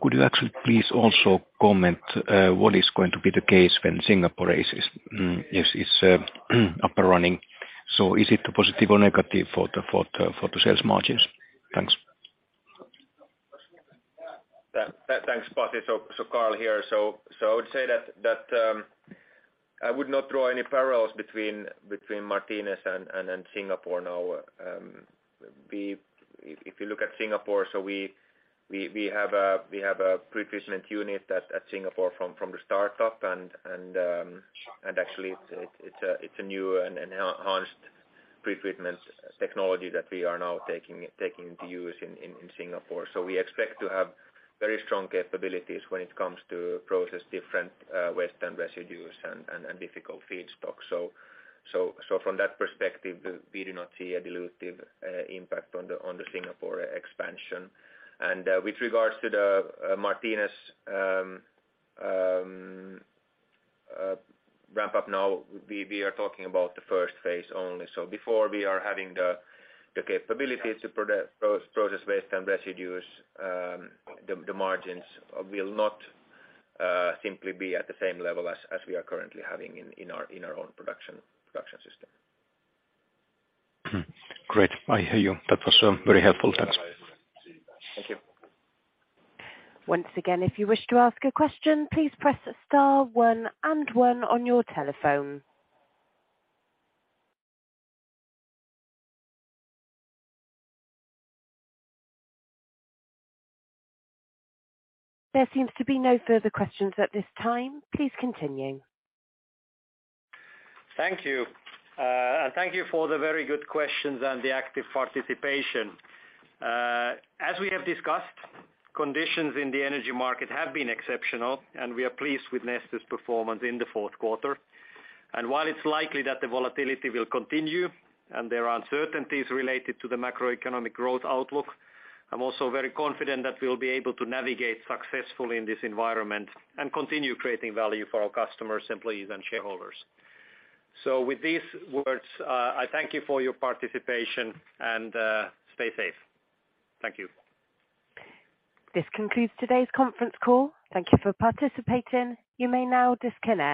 Could you actually please also comment, what is going to be the case when Singapore is up and running? Is it a positive or negative for the sales margins? Thanks. Thanks, Pasi. Carl here. I would say that I would not draw any parallels between Martinez and Singapore now. If you look at Singapore, we have a pretreatment unit at Singapore from the start up and actually it's a new and enhanced pretreatment technology that we are now taking to use in Singapore. We expect to have very strong capabilities when it comes to process different waste and residues and difficult feedstocks. From that perspective, we do not see a dilutive impact on the Singapore expansion. With regards to the Martinez ramp up now, we are talking about the first phase only. Before we are having the capability to process waste and residues, the margins will not simply be at the same level as we are currently having in our own production system. Great. I hear you. That was very helpful. Thanks. Thank you. Once again, if you wish to ask a question, please press star one and one on your telephone. There seems to be no further questions at this time. Please continue. Thank you. Thank you for the very good questions and the active participation. As we have discussed, conditions in the energy market have been exceptional, and we are pleased with Neste's performance in the fourth quarter. While it's likely that the volatility will continue and there are uncertainties related to the macroeconomic growth outlook, I'm also very confident that we'll be able to navigate successfully in this environment and continue creating value for our customers, employees, and shareholders. With these words, I thank you for your participation and stay safe. Thank you. This concludes today's conference call. Thank you for participating. You may now disconnect.